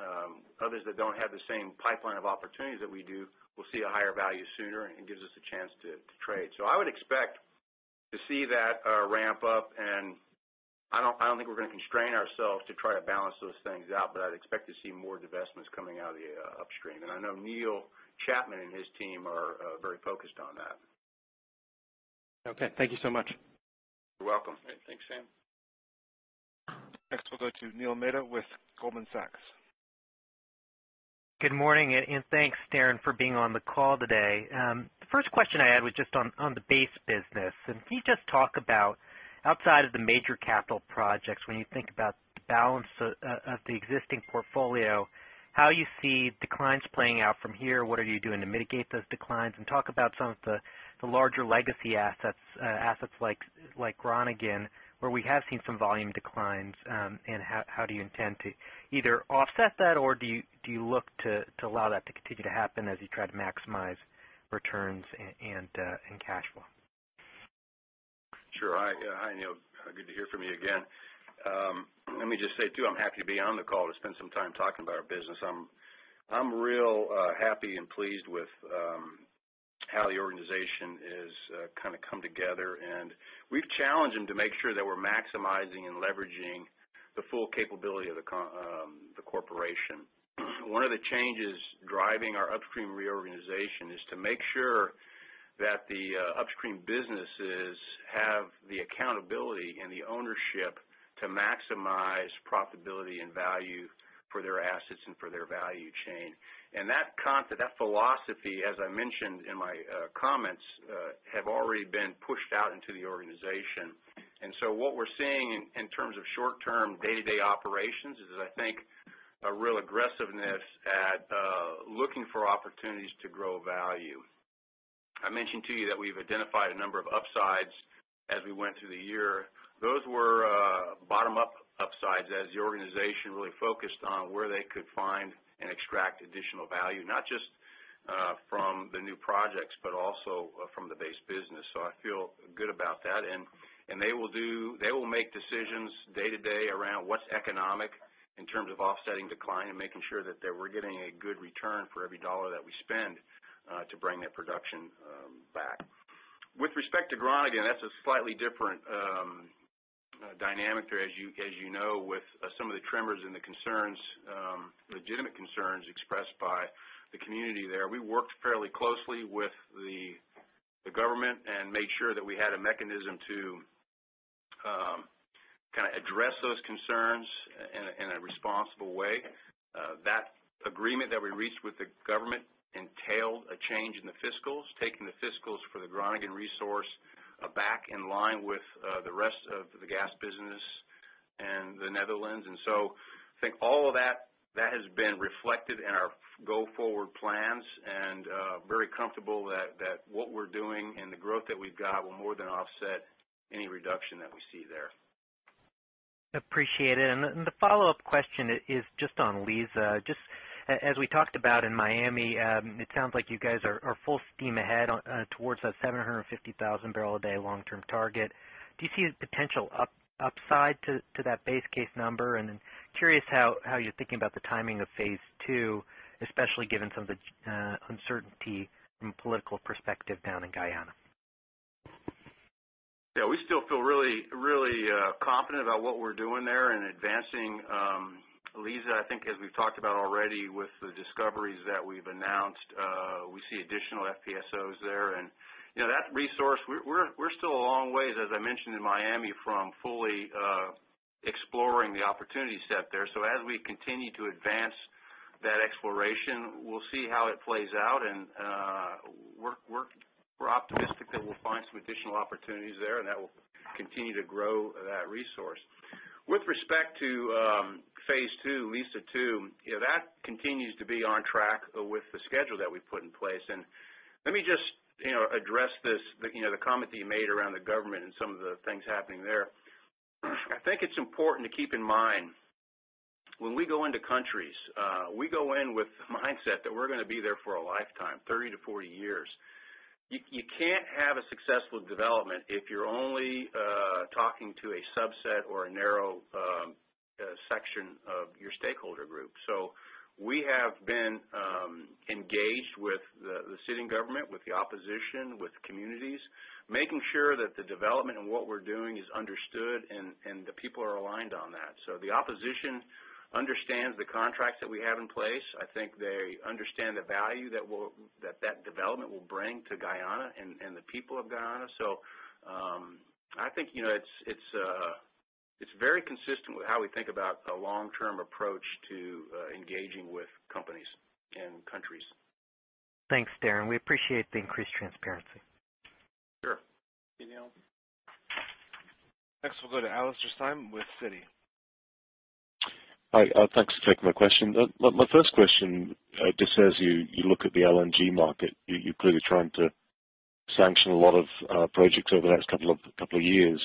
Others that don't have the same pipeline of opportunities that we do will see a higher value sooner and gives us a chance to trade. I would expect to see that ramp up, and I don't think we're going to constrain ourselves to try to balance those things out, but I'd expect to see more divestments coming out of the upstream. I know Neil Chapman and his team are very focused on that. Thank you so much. You're welcome. Thanks, Sam. Next, we'll go to Neil Mehta with Goldman Sachs. Good morning. Thanks, Darren, for being on the call today. The first question I had was just on the base business. Can you just talk about, outside of the major capital projects. When you think about the balance of the existing portfolio, how you see declines playing out from here, what are you doing to mitigate those declines, and talk about some of the larger legacy assets like Groningen, where we have seen some volume declines, and how do you intend to either offset that or do you look to allow that to continue to happen as you try to maximize returns and cash flow? Hi, Neil. Good to hear from you again. Let me just say, too, I'm happy to be on the call to spend some time talking about our business. I'm real happy and pleased with how the organization has kind of come together. We've challenged them to make sure that we're maximizing and leveraging the full capability of the corporation. One of the changes driving our upstream reorganization is to make sure that the upstream businesses have the accountability and the ownership to maximize profitability and value for their assets and for their value chain. That philosophy, as I mentioned in my comments, have already been pushed out into the organization. What we're seeing in terms of short-term day-to-day operations is, I think, a real aggressiveness at looking for opportunities to grow value. I mentioned to you that we've identified a number of upsides as we went through the year. Those were bottom-up upsides as the organization really focused on where they could find and extract additional value, not just from the new projects, but also from the base business. I feel good about that. They will make decisions day-to-day around what's economic in terms of offsetting decline and making sure that we're getting a good return for every dollar that we spend to bring that production back. With respect to Groningen, that's a slightly different dynamic there, as you know, with some of the tremors and the concerns, legitimate concerns expressed by the community there. We worked fairly closely with the government and made sure that we had a mechanism to kind of address those concerns in a responsible way. That agreement that we reached with the government entailed a change in the fiscals, taking the fiscals for the Groningen resource back in line with the rest of the gas business in the Netherlands. I think all of that has been reflected in our go-forward plans, and I'm very comfortable that what we're doing and the growth that we've got will more than offset any reduction that we see there. Appreciate it. The follow-up question is just on Liza. Just as we talked about in Miami, it sounds like you guys are full steam ahead towards that 750,000 bbl a day long-term target. Do you see a potential upside to that base case number? Curious how you're thinking about the timing of phase II, especially given some of the uncertainty from political perspective down in Guyana. We still feel really confident about what we're doing there and advancing Liza. I think as we've talked about already with the discoveries that we've announced, we see additional FPSOs there. That resource, we're still a long ways, as I mentioned in Miami, from fully exploring the opportunity set there. As we continue to advance that exploration, we'll see how it plays out, and we're optimistic that we'll find some additional opportunities there and that will continue to grow that resource. With respect to phase II, Liza Two, that continues to be on track with the schedule that we put in place. Let me just address the comment that you made around the government and some of the things happening there. I think it's important to keep in mind, when we go into countries, we go in with the mindset that we're going to be there for a lifetime, 30-40 years. You can't have a successful development if you're only talking to a subset or a narrow section of your stakeholder group. We have been engaged with the sitting government, with the opposition, with communities, making sure that the development and what we're doing is understood, and the people are aligned on that. The opposition understands the contracts that we have in place. I think they understand the value that that development will bring to Guyana and the people of Guyana. I think it's very consistent with how we think about a long-term approach to engaging with companies and countries. Thanks, Darren. We appreciate the increased transparency. Sure. Thank you, Neil. Next we'll go to Alastair Syme with Citi. Thanks for taking my question. My first question, just as you look at the LNG market, you're clearly trying to sanction a lot of projects over the next couple of years.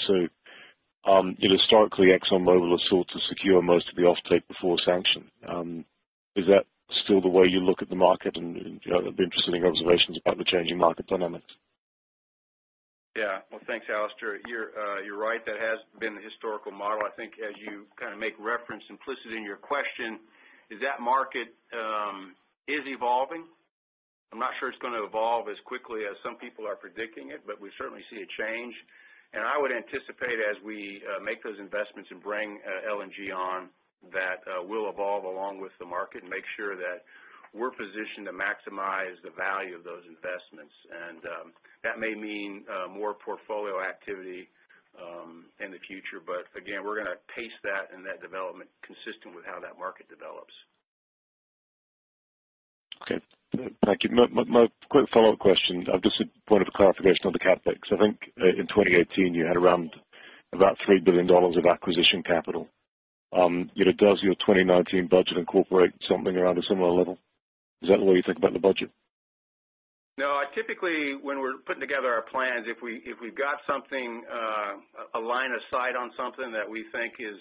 Historically, ExxonMobil has sought to secure most of the offtake before sanction. Is that still the way you look at the market? I'd be interested in your observations about the changing market dynamic? Well, thanks, Alastair. You're right. That has been the historical model. I think as you kind of make reference implicit in your question is that market is evolving. I'm not sure it's going to evolve as quickly as some people are predicting it, but we certainly see a change. I would anticipate as we make those investments and bring LNG on, that we'll evolve along with the market and make sure that we're positioned to maximize the value of those investments. That may mean more portfolio activity in the future, but again, we're going to pace that and that development consistent with how that market develops. Thank you. My quick follow-up question, just a point of clarification on the CapEx. I think in 2018 you had around about $3 billion of acquisition capital. Does your 2019 budget incorporate something around a similar level? Is that the way you think about the budget? No, typically, when we're putting together our plans, if we've got a line of sight on something that we think has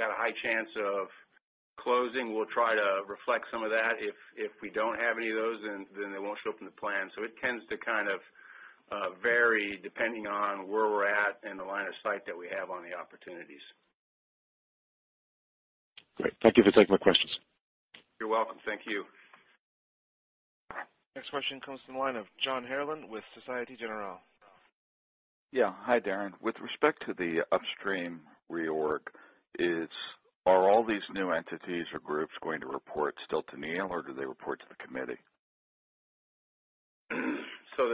got a high chance of closing, we'll try to reflect some of that. If we don't have any of those, then they won't show up in the plan. It tends to kind of vary depending on where we're at and the line of sight that we have on the opportunities. Thank you for taking my questions. You're welcome. Thank you. Next question comes from the line of John Herrlin with Société Générale. Hi, Darren. With respect to the upstream reorg, are all these new entities or groups going to report still to Neil, or do they report to the committee? The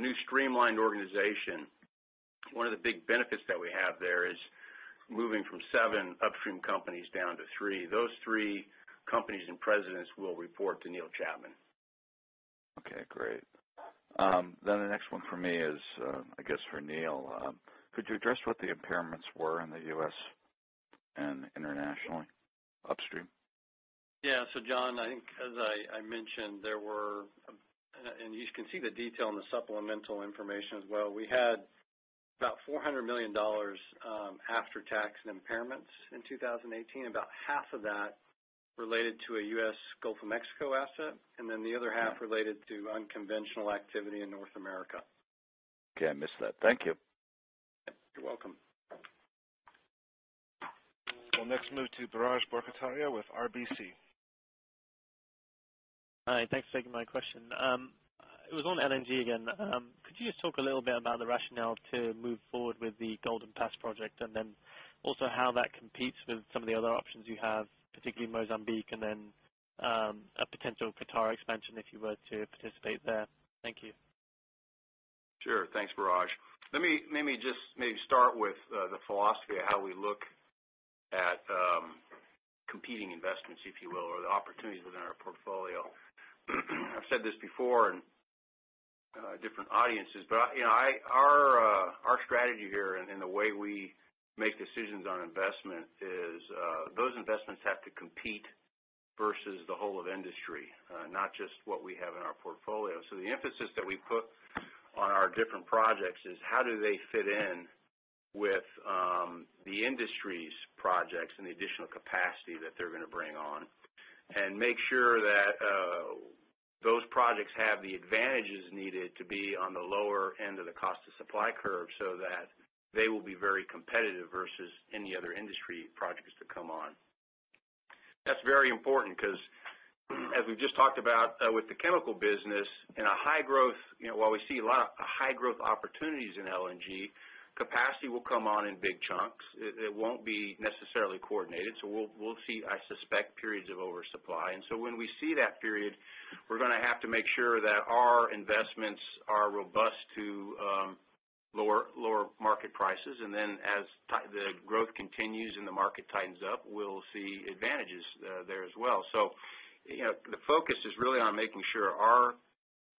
new streamlined organization, one of the big benefits that we have there is moving from seven upstream companies down to three. Those three companies and presidents will report to Neil Chapman. The next one from me is, I guess for Neil. Could you address what the impairments were in the U.S. and internationally upstream? John, I think as I mentioned, and you can see the detail in the supplemental information as well, we had about $400 million after-tax impairments in 2018, about half of that related to a U.S. Gulf of Mexico asset, the other half related to unconventional activity in North America. I missed that. Thank you. You're welcome. We'll next move to Biraj Borkhataria with RBC. Thanks for taking my question. It was on LNG again. Could you just talk a little bit about the rationale to move forward with the Golden Pass project, and then also how that competes with some of the other options you have, particularly Mozambique, and then a potential Qatar expansion if you were to participate there? Thank you. Thanks, Biraj. Let me just maybe start with the philosophy of how we look at competing investments, if you will, or the opportunities within our portfolio. I've said this before in different audiences, but our strategy here and the way we make decisions on investment is those investments have to compete versus the whole of industry, not just what we have in our portfolio. The emphasis that we put on our different projects is how do they fit in with the industry's projects and the additional capacity that they're going to bring on, and make sure that those projects have the advantages needed to be on the lower end of the cost to supply curve so that they will be very competitive versus any other industry projects that come on. That's very important because as we've just talked about with the chemical business, while we see a lot of high growth opportunities in LNG, capacity will come on in big chunks. It won't be necessarily coordinated. We'll see, I suspect, periods of oversupply. When we see that period, we're going to have to make sure that our investments are robust to lower market prices. As the growth continues and the market tightens up, we'll see advantages there as well. The focus is really on making sure our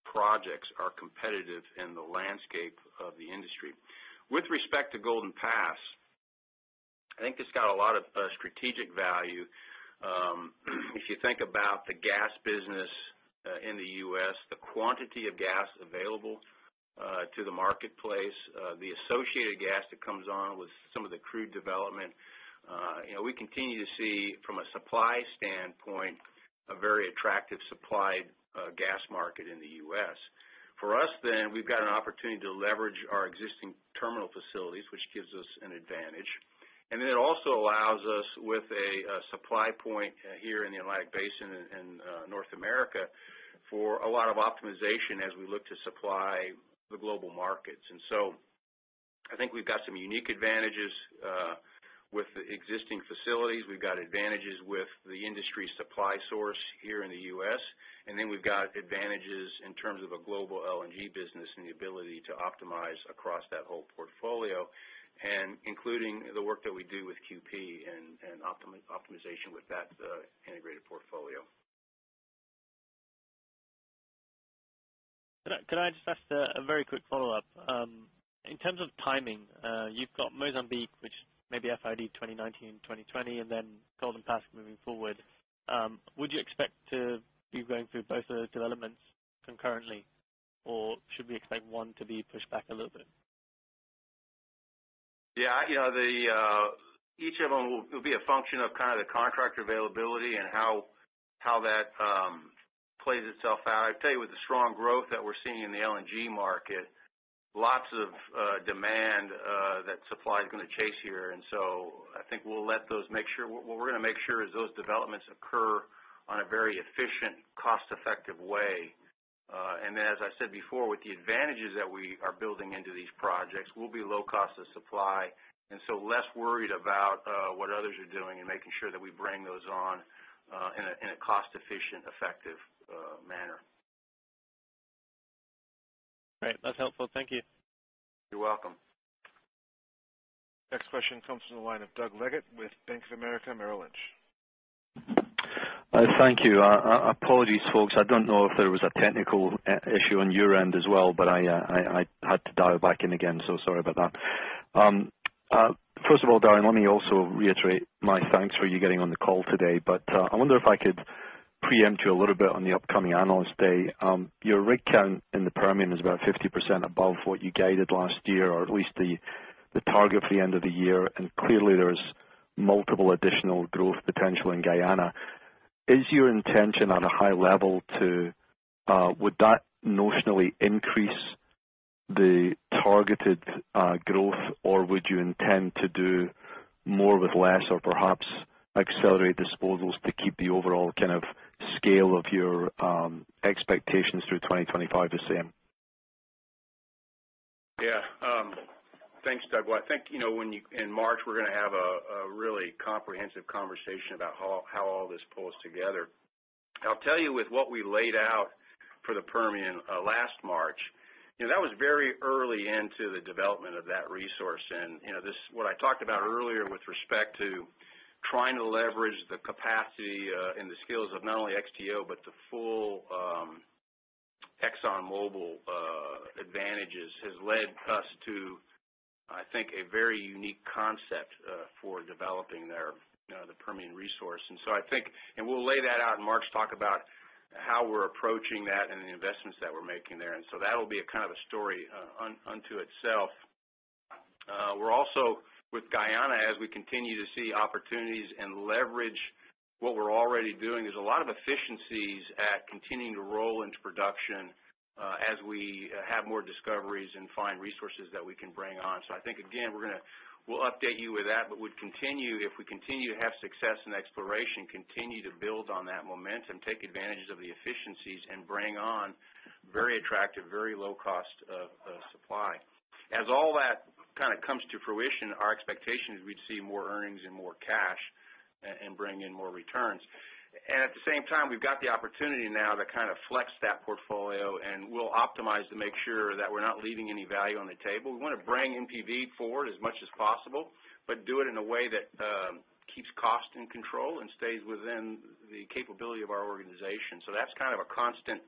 projects are competitive in the landscape of the industry. With respect to Golden Pass, I think it's got a lot of strategic value. If you think about the gas business in the U.S., the quantity of gas available to the marketplace, the associated gas that comes on with some of the crude development. We continue to see, from a supply standpoint, a very attractive supplied gas market in the U.S.. For us, we've got an opportunity to leverage our existing terminal facilities, which gives us an advantage. It also allows us with a supply point here in the Atlantic Basin in North America for a lot of optimization as we look to supply the global markets. I think we've got some unique advantages with the existing facilities. We've got advantages with the industry supply source here in the U.S., and then we've got advantages in terms of a global LNG business and the ability to optimize across that whole portfolio, and including the work that we do with QP and optimization with that integrated portfolio. Could I just ask a very quick follow-up? In terms of timing, you've got Mozambique, which may be FID 2019, 2020, and then Golden Pass moving forward. Would you expect to be going through both those developments concurrently, or should we expect one to be pushed back a little bit? Each of them will be a function of the contract availability and how that plays itself out. I tell you, with the strong growth that we're seeing in the LNG market, lots of demand that supply is going to chase here. What we're going to make sure is those developments occur on a very efficient, cost-effective way. As I said before, with the advantages that we are building into these projects, we'll be low cost of supply, and so less worried about what others are doing and making sure that we bring those on in a cost-efficient, effective manner. That's helpful. Thank you. You're welcome. Next question comes from the line of Doug Leggate with Bank of America Merrill Lynch. Thank you. Apologies, folks. I don't know if there was a technical issue on your end as well, but I had to dial back in again, so sorry about that. First of all, Darren, let me also reiterate my thanks for you getting on the call today. I wonder if I could preempt you a little bit on the upcoming Analyst Day. Your rig count in the Permian is about 50% above what you guided last year, or at least the target for the end of the year, and clearly there's multiple additional growth potential in Guyana. Is your intention on a high level, would that notionally increase the targeted growth, or would you intend to do more with less or perhaps accelerate disposals to keep the overall kind of scale of your expectations through 2025 the same? Thanks, Doug. Well, I think, in March, we're going to have a really comprehensive conversation about how all this pulls together. I'll tell you with what we laid out for the Permian last March, that was very early into the development of that resource. This, what I talked about earlier with respect to trying to leverage the capacity and the skills of not only XTO, but the full ExxonMobil advantages has led us to, I think, a very unique concept for developing the Permian resource. We'll lay that out in March, talk about how we're approaching that and the investments that we're making there, that'll be a story unto itself. We're also with Guyana, as we continue to see opportunities and leverage what we're already doing. There's a lot of efficiencies at continuing to roll into production as we have more discoveries and find resources that we can bring on. I think, again, we'll update you with that, but if we continue to have success in exploration, continue to build on that momentum, take advantage of the efficiencies, and bring on very attractive, very low cost of supply. As all that comes to fruition, our expectation is we'd see more earnings and more cash and bring in more returns. At the same time, we've got the opportunity now to flex that portfolio, and we'll optimize to make sure that we're not leaving any value on the table. We want to bring NPV forward as much as possible, but do it in a way that keeps cost in control and stays within the capability of our organization. That's a constant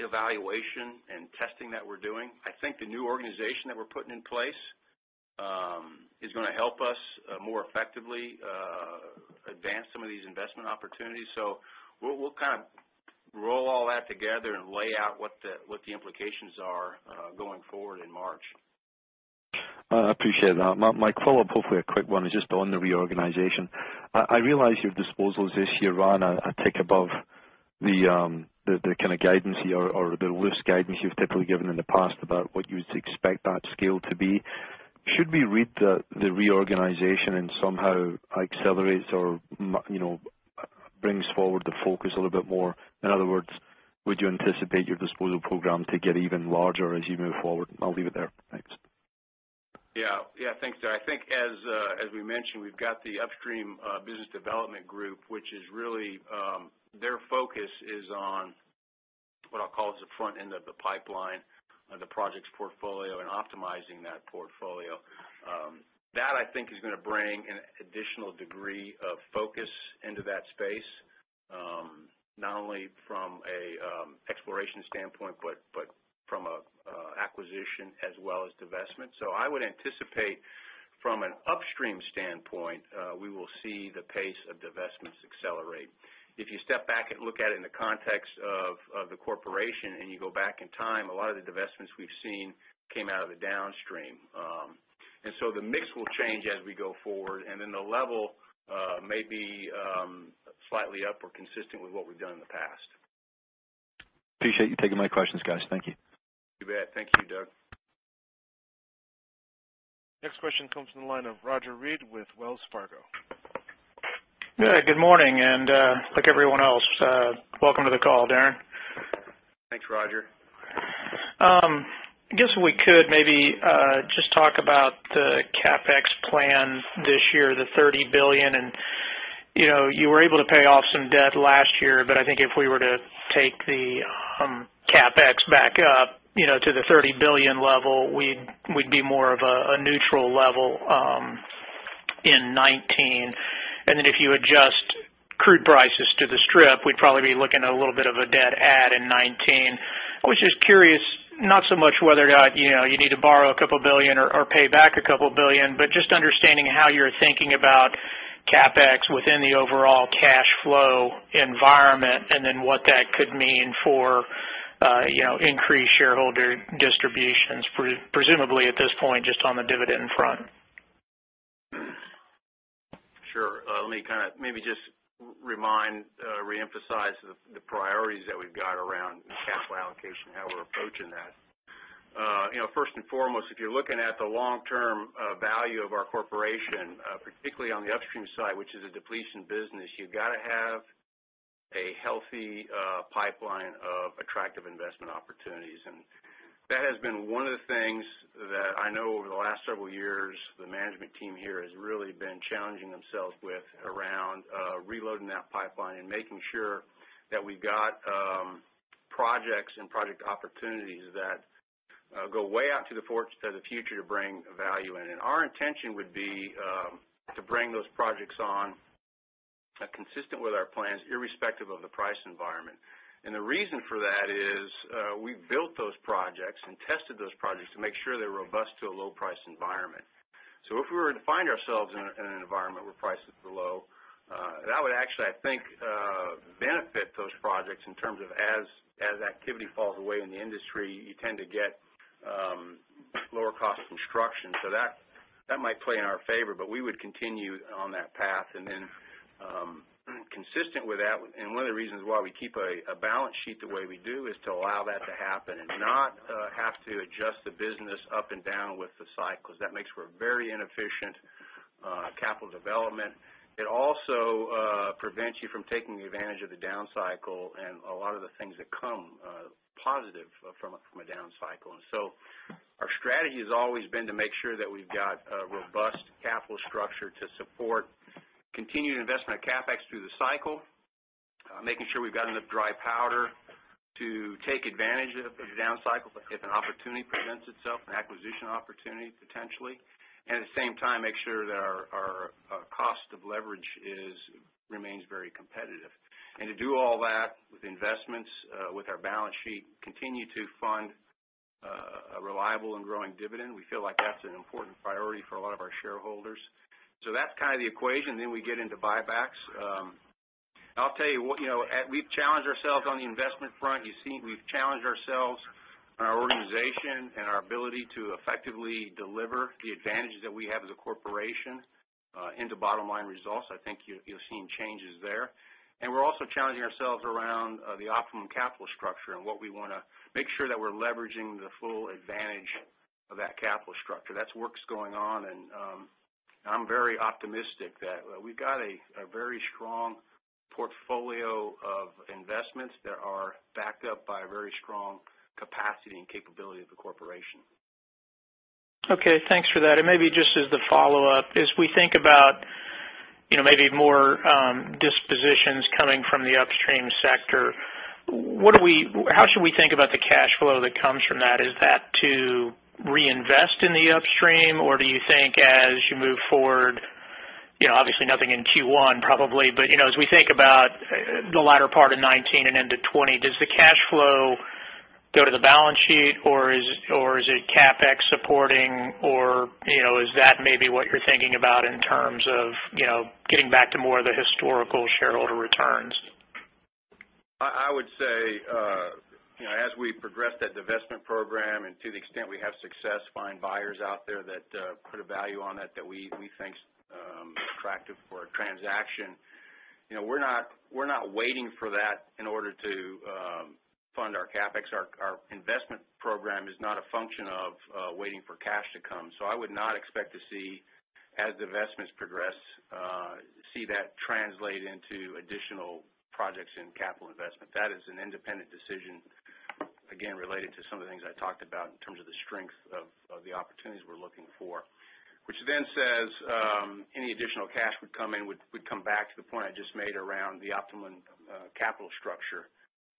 evaluation and testing that we're doing. I think the new organization that we're putting in place is going to help us more effectively advance some of these investment opportunities. We'll roll all that together and lay out what the implications are going forward in March. I appreciate that. My follow-up, hopefully a quick one, is just on the reorganization. I realize your disposals this year ran a tick above the kind of guidance here or the loose guidance you've typically given in the past about what you'd expect that scale to be. Should we read the reorganization and somehow accelerates or brings forward the focus a little bit more? In other words, would you anticipate your disposal program to get even larger as you move forward? I'll leave it there. Thanks. Thanks, Doug. I think as we mentioned, we've got the Upstream Business Development Group, which their focus is on what I'll call is the front end of the pipeline of the projects portfolio and optimizing that portfolio. That, I think, is going to bring an additional degree of focus into that space, not only from a exploration standpoint, but from a acquisition as well as divestment. I would anticipate from an upstream standpoint, we will see the pace of divestments accelerate. If you step back and look at it in the context of the Corporation, you go back in time, a lot of the divestments we've seen came out of the downstream. The mix will change as we go forward, and then the level may be slightly up or consistent with what we've done in the past. Appreciate you taking my questions, guys. Thank you. You bet. Thank you, Doug. Next question comes from the line of Roger Read with Wells Fargo. Good morning. Like everyone else, welcome to the call, Darren. Thanks, Roger. I guess we could maybe just talk about the CapEx plan this year, the $30 billion. You were able to pay off some debt last year, but I think if we were to take the CapEx back up to the $30 billion level, we'd be more of a neutral level in 2019. If you adjust crude prices to the strip, we'd probably be looking at a little bit of a debt add in 2019. I was just curious, not so much whether or not you need to borrow a couple billion or pay back a couple billion, but just understanding how you're thinking about CapEx within the overall cash flow environment, and then what that could mean for increased shareholder distributions, presumably at this point, just on the dividend front? Let me kind of maybe just reemphasize the priorities that we've got around capital allocation, how we're approaching that. First and foremost, if you're looking at the long-term value of our corporation, particularly on the upstream side, which is a depletion business, you've got to have a healthy pipeline of attractive investment opportunities. That has been one of the things that I know over the last several years, the management team here has really been challenging themselves with around reloading that pipeline and making sure that we've got projects and project opportunities that go way out to the future to bring value in. Our intention would be to bring those projects on consistent with our plans, irrespective of the price environment. The reason for that is we've built those projects and tested those projects to make sure they're robust to a low-price environment. If we were to find ourselves in an environment where prices are low, that would actually, I think, benefit those projects in terms of as activity falls away in the industry, you tend to get lower cost construction. That might play in our favor, but we would continue on that path. Consistent with that, and one of the reasons why we keep a balance sheet the way we do is to allow that to happen and not have to adjust the business up and down with the cycles. That makes for a very inefficient capital development. It also prevents you from taking advantage of the down cycle and a lot of the things that come positive from a down cycle. Our strategy has always been to make sure that we've got a robust capital structure to support continued investment of CapEx through the cycle. Making sure we've got enough dry powder to take advantage of the down cycle if an opportunity presents itself, an acquisition opportunity, potentially. At the same time, make sure that our cost of leverage remains very competitive. To do all that with investments, with our balance sheet, continue to fund a reliable and growing dividend. We feel like that's an important priority for a lot of our shareholders. That's kind of the equation. We get into buybacks. I'll tell you what, we've challenged ourselves on the investment front. You've seen we've challenged ourselves on our organization and our ability to effectively deliver the advantages that we have as a corporation into bottom-line results. I think you've seen changes there. We're also challenging ourselves around the optimum capital structure and what we want to make sure that we're leveraging the full advantage of that capital structure. That work's going on, and I'm very optimistic that we've got a very strong portfolio of investments that are backed up by a very strong capacity and capability of the Corporation. Thanks for that. Maybe just as the follow-up, as we think about maybe more dispositions coming from the upstream sector, how should we think about the cash flow that comes from that? Is that to reinvest in the upstream, or do you think as you move forward, obviously nothing in Q1 probably, but as we think about the latter part of 2019 and into 2020, does the cash flow go to the balance sheet or is it CapEx supporting or is that maybe what you're thinking about in terms of getting back to more of the historical shareholder returns? I would say as we progress that divestment program, and to the extent we have success finding buyers out there that put a value on it that we think is attractive for a transaction, we're not waiting for that in order to fund our CapEx. Our investment program is not a function of waiting for cash to come. I would not expect to see, as divestments progress, see that translate into additional projects in capital investment. That is an independent decision. Again, related to some of the things I talked about in terms of the strength of the opportunities we're looking for. Which says any additional cash would come in, would come back to the point I just made around the optimum capital structure,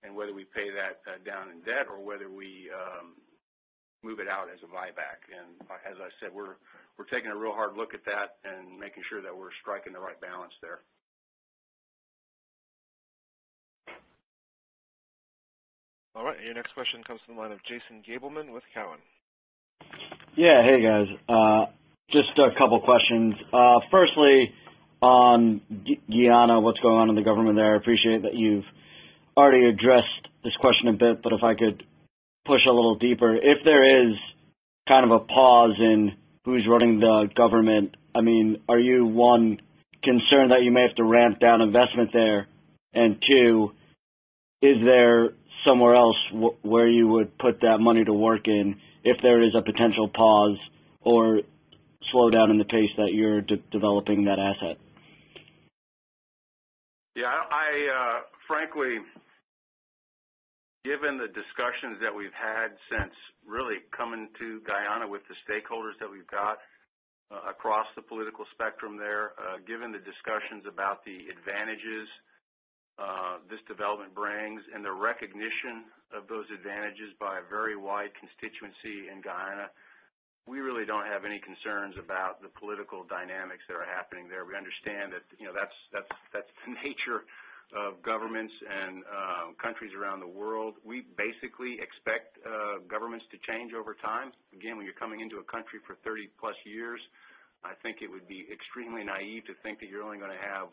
and whether we pay that down in debt or whether we move it out as a buyback. As I said, we're taking a real hard look at that and making sure that we're striking the right balance there. All right. Your next question comes from the line of Jason Gabelman with Cowen. Hey, guys. Just a couple questions. Firstly, on Guyana, what's going on in the government there? I appreciate that you've already addressed this question a bit, but if I could push a little deeper. If there is kind of a pause in who's running the government, are you, one, concerned that you may have to ramp down investment there? Two, is there somewhere else where you would put that money to work in if there is a potential pause or slowdown in the pace that you're developing that asset? Frankly, given the discussions that we've had since really coming to Guyana with the stakeholders that we've got across the political spectrum there. Given the discussions about the advantages this development brings, and the recognition of those advantages by a very wide constituency in Guyana, we really don't have any concerns about the political dynamics that are happening there. We understand that's the nature of governments and countries around the world. We basically expect governments to change over time. Again, when you're coming into a country for 30+ years, I think it would be extremely naive to think that you're only going to have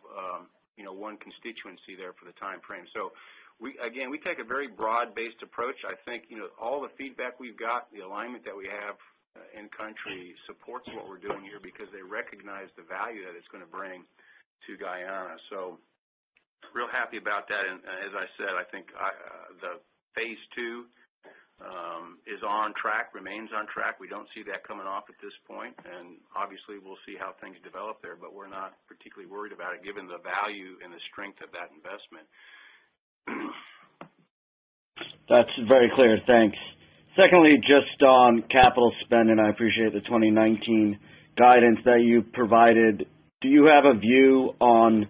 one constituency there for the timeframe. Again, we take a very broad-based approach. I think all the feedback we've got, the alignment that we have in-country supports what we're doing here because they recognize the value that it's going to bring to Guyana. Real happy about that, and as I said, I think the phase II is on track, remains on track. We don't see that coming off at this point, and obviously we'll see how things develop there, but we're not particularly worried about it given the value and the strength of that investment. That's very clear. Thanks. Secondly, just on capital spend, I appreciate the 2019 guidance that you provided. Do you have a view on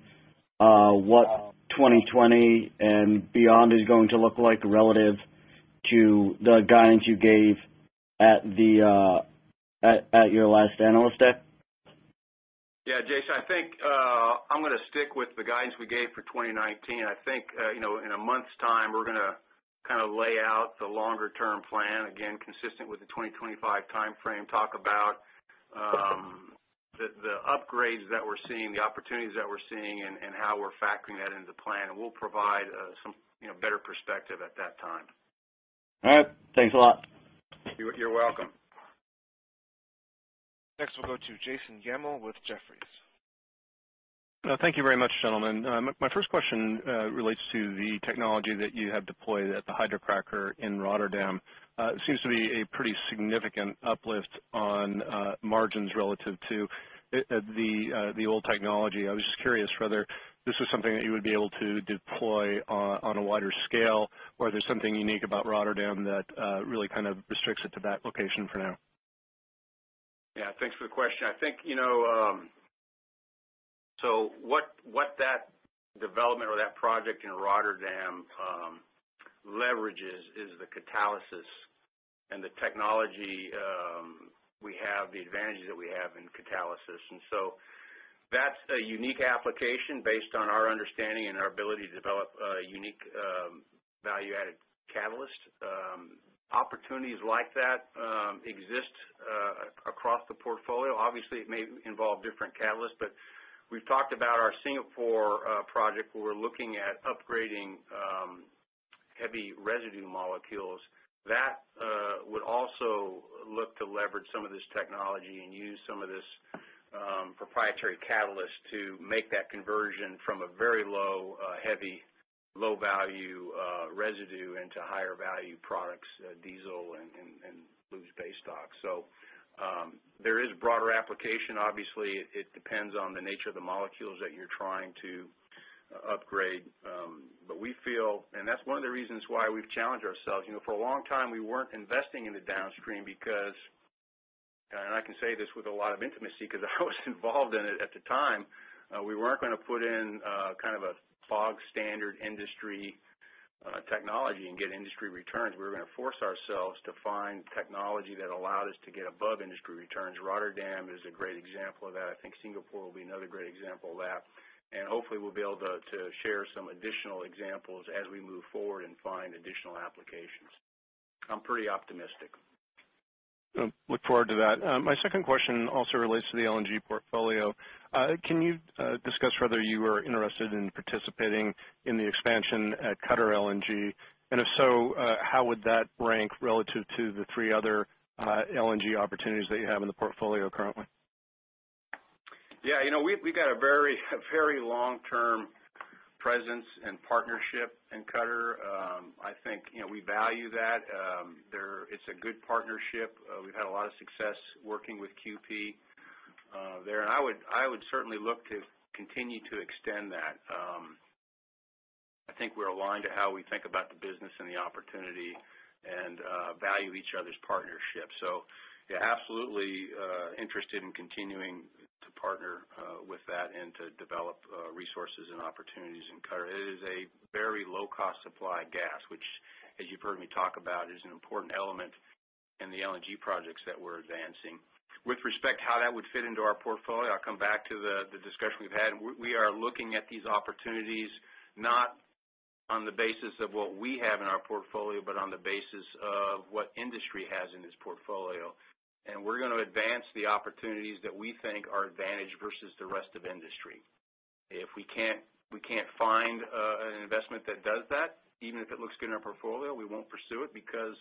what 2020 and beyond is going to look like relative to the guidance you gave at your last Analyst Day? Jason, I think I'm going to stick with the guidance we gave for 2019. I think in a month's time, we're going to lay out the longer-term plan, again, consistent with the 2025 timeframe, talk about the upgrades that we're seeing, the opportunities that we're seeing, and how we're factoring that into the plan. We'll provide some better perspective at that time. Thanks a lot. You're welcome. Next, we'll go to Jason Gammel with Jefferies. Thank you very much, gentlemen. My first question relates to the technology that you have deployed at the hydrocracker in Rotterdam. It seems to be a pretty significant uplift on margins relative to the old technology. I was just curious whether this was something that you would be able to deploy on a wider scale, or there's something unique about Rotterdam that really restricts it to that location for now. Thanks for the question. What that development or that project in Rotterdam leverages is the catalysis and the technology we have, the advantages that we have in catalysis. That's a unique application based on our understanding and our ability to develop a unique value-added catalyst. Opportunities like that exist across the portfolio. Obviously, it may involve different catalysts, but we've talked about our Singapore project, where we're looking at upgrading heavy residue molecules. That would also look to leverage some of this technology and use some of this proprietary catalyst to make that conversion from a very low, heavy, low-value residue into higher value products, diesel and lube base stocks. There is broader application. Obviously, it depends on the nature of the molecules that you're trying to upgrade. That's one of the reasons why we've challenged ourselves. For a long time, we weren't investing in the downstream because, and I can say this with a lot of intimacy because I was involved in it at the time, we weren't going to put in a bog standard industry technology and get industry returns. We were going to force ourselves to find technology that allowed us to get above industry returns. Rotterdam is a great example of that. I think Singapore will be another great example of that, and hopefully we'll be able to share some additional examples as we move forward and find additional applications. I'm pretty optimistic. Look forward to that. My second question also relates to the LNG portfolio. Can you discuss whether you are interested in participating in the expansion at Qatar LNG? If so, how would that rank relative to the three other LNG opportunities that you have in the portfolio currently? We've got a very long-term presence and partnership in Qatar. I think we value that. It's a good partnership. We've had a lot of success working with QP there. I would certainly look to continue to extend that. I think we're aligned to how we think about the business and the opportunity and value each other's partnership. Absolutely interested in continuing to partner with that and to develop resources and opportunities in Qatar. It is a very low-cost supply gas, which as you've heard me talk about, is an important element in the LNG projects that we're advancing. With respect how that would fit into our portfolio, I'll come back to the discussion we've had. We are looking at these opportunities not on the basis of what we have in our portfolio, but on the basis of what industry has in its portfolio. We're going to advance the opportunities that we think are advantage versus the rest of industry. If we can't find an investment that does that, even if it looks good in our portfolio, we won't pursue it because,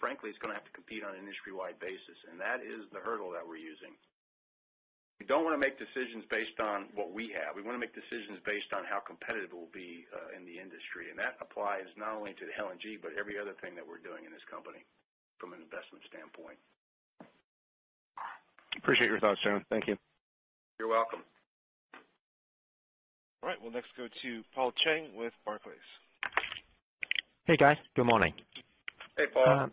frankly, it's going to have to compete on an industry-wide basis, that is the hurdle that we're using. We don't want to make decisions based on what we have. We want to make decisions based on how competitive it will be in the industry, that applies not only to the LNG, but every other thing that we're doing in this company from an investment standpoint. Appreciate your thoughts, Darren. Thank you. You're welcome. All right, we'll next go to Paul Cheng with Barclays. Hey, guys. Good morning. Hey, Paul.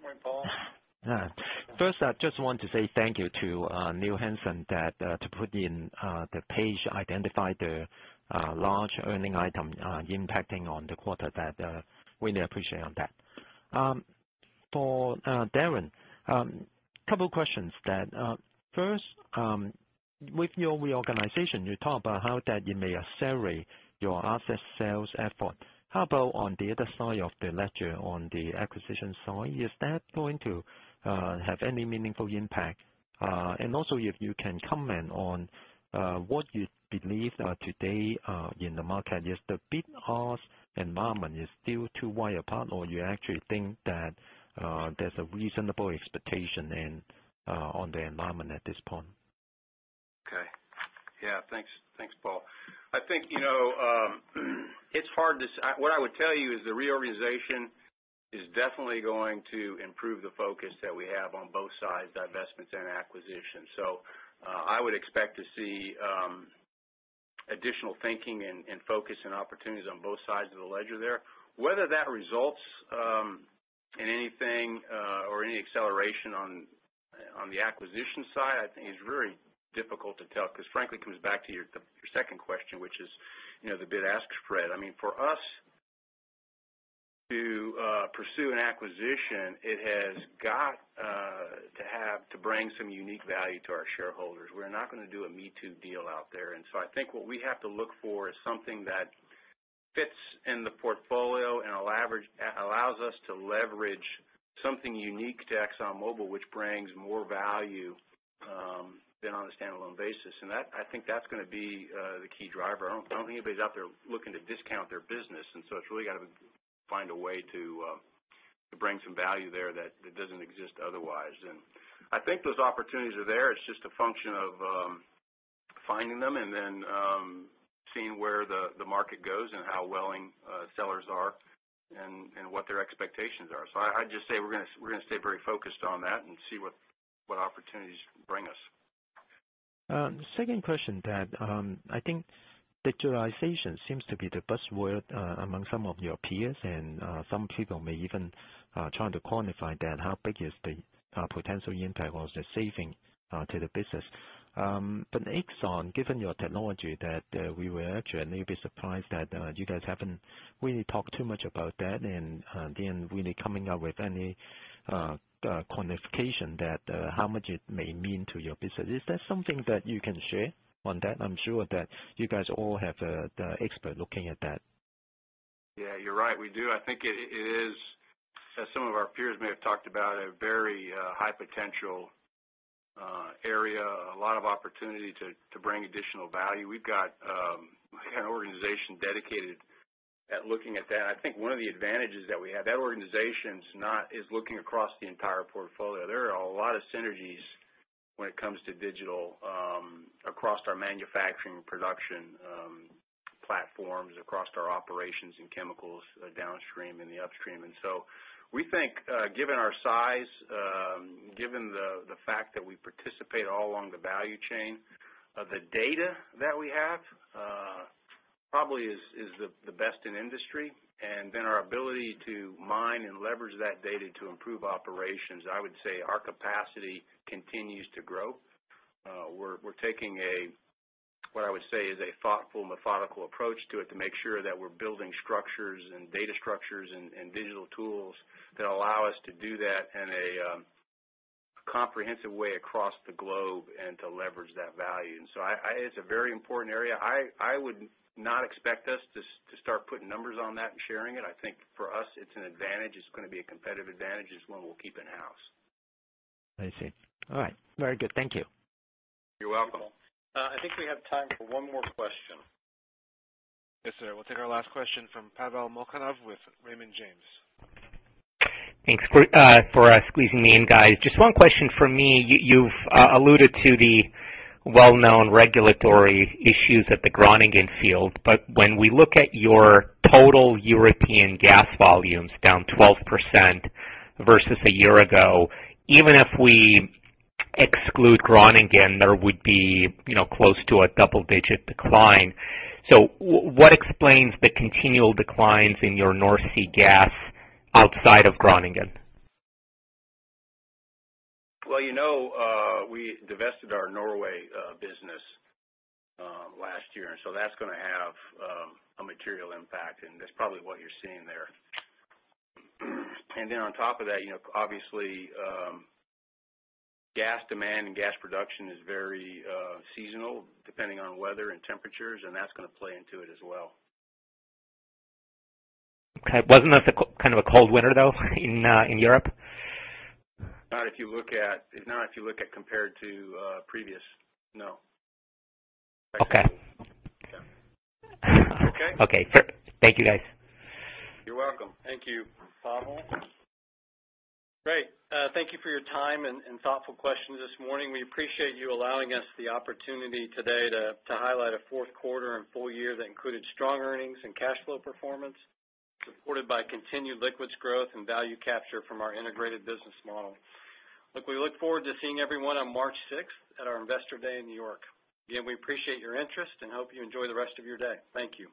I just want to say thank you to Neil Hansen that to put in the page, identify the large earning item impacting on the quarter. Really appreciate that. For Darren, couple questions that first, with your reorganization, you talk about how that you may accelerate your asset sales effort? How about on the other side of the ledger on the acquisition side, is that going to have any meaningful impact? Also, if you can comment on what you believe today in the market, is the bid-ask environment is still too wide apart, or you actually think that there's a reasonable expectation on the environment at this point? Thanks, Paul. I think, what I would tell you is the reorganization is definitely going to improve the focus that we have on both sides, divestments and acquisitions. I would expect to see additional thinking and focus and opportunities on both sides of the ledger there. Whether that results in anything or any acceleration on the acquisition side, I think is very difficult to tell because frankly, it comes back to your second question, which is the bid-ask spread. I mean, for us to pursue an acquisition, it has got to bring some unique value to our shareholders. We're not going to do a me-too deal out there. I think what we have to look for is something that fits in the portfolio and allows us to leverage something unique to ExxonMobil, which brings more value than on a standalone basis. That, I think that's going to be the key driver. I don't think anybody's out there looking to discount their business, and so it's really got to find a way to bring some value there that doesn't exist otherwise. I think those opportunities are there. It's just a function of finding them and then seeing where the market goes and how willing sellers are and what their expectations are. I'd just say we're going to stay very focused on that and see what opportunities bring us. Second question, I think digitalization seems to be the buzzword among some of your peers. Some people may even try to quantify that. How big is the potential impact or the saving to the business? Exxon, given your technology, we were actually a little bit surprised that you guys haven't really talked too much about that, really coming up with any quantification how much it may mean to your business. Is that something that you can share on that? I'm sure that you guys all have the expert looking at that? You're right, we do. I think it is, as some of our peers may have talked about, a very high potential area, a lot of opportunity to bring additional value. We've got an organization dedicated at looking at that. I think one of the advantages we have, that organization is looking across the entire portfolio. There are a lot of synergies when it comes to digital across our manufacturing production platforms, across our operations in chemicals, the downstream and the upstream. We think, given our size, given the fact that we participate all along the value chain, the data we have probably is the best in industry, our ability to mine and leverage that data to improve operations, I would say our capacity continues to grow. We're taking what I would say is a thoughtful, methodical approach to it to make sure that we're building structures and data structures and digital tools that allow us to do that in a comprehensive way across the globe and to leverage that value. It's a very important area. I would not expect us to start putting numbers on that and sharing it. I think for us, it's an advantage. It's going to be a competitive advantage. It's one we'll keep in-house. Very good. Thank you. You're welcome. I think we have time for one more question. Yes, sir. We'll take our last question from Pavel Molchanov with Raymond James. Thanks for squeezing me in, guys. Just one question from me. You've alluded to the well-known regulatory issues at the Groningen field, but when we look at your total European gas volumes down 12% versus a year ago, even if we exclude Groningen, there would be close to a double-digit decline. What explains the continual declines in your North Sea gas outside of Groningen? We divested our Norway business last year. That's going to have a material impact, and that's probably what you're seeing there. On top of that, obviously, gas demand and gas production is very seasonal, depending on weather and temperatures, and that's going to play into it as well. Wasn't that kind of a cold winter, though, in Europe? Not if you look at compared to previous, no. Okay. Okay? Thank you, guys. You're welcome. Thank you, Pavel. Great. Thank you for your time and thoughtful questions this morning. We appreciate you allowing us the opportunity today to highlight a fourth quarter and full year that included strong earnings and cash flow performance, supported by continued liquids growth and value capture from our integrated business model. Look, we look forward to seeing everyone on March 6th at our Investor Day in New York. Again, we appreciate your interest and hope you enjoy the rest of your day. Thank you.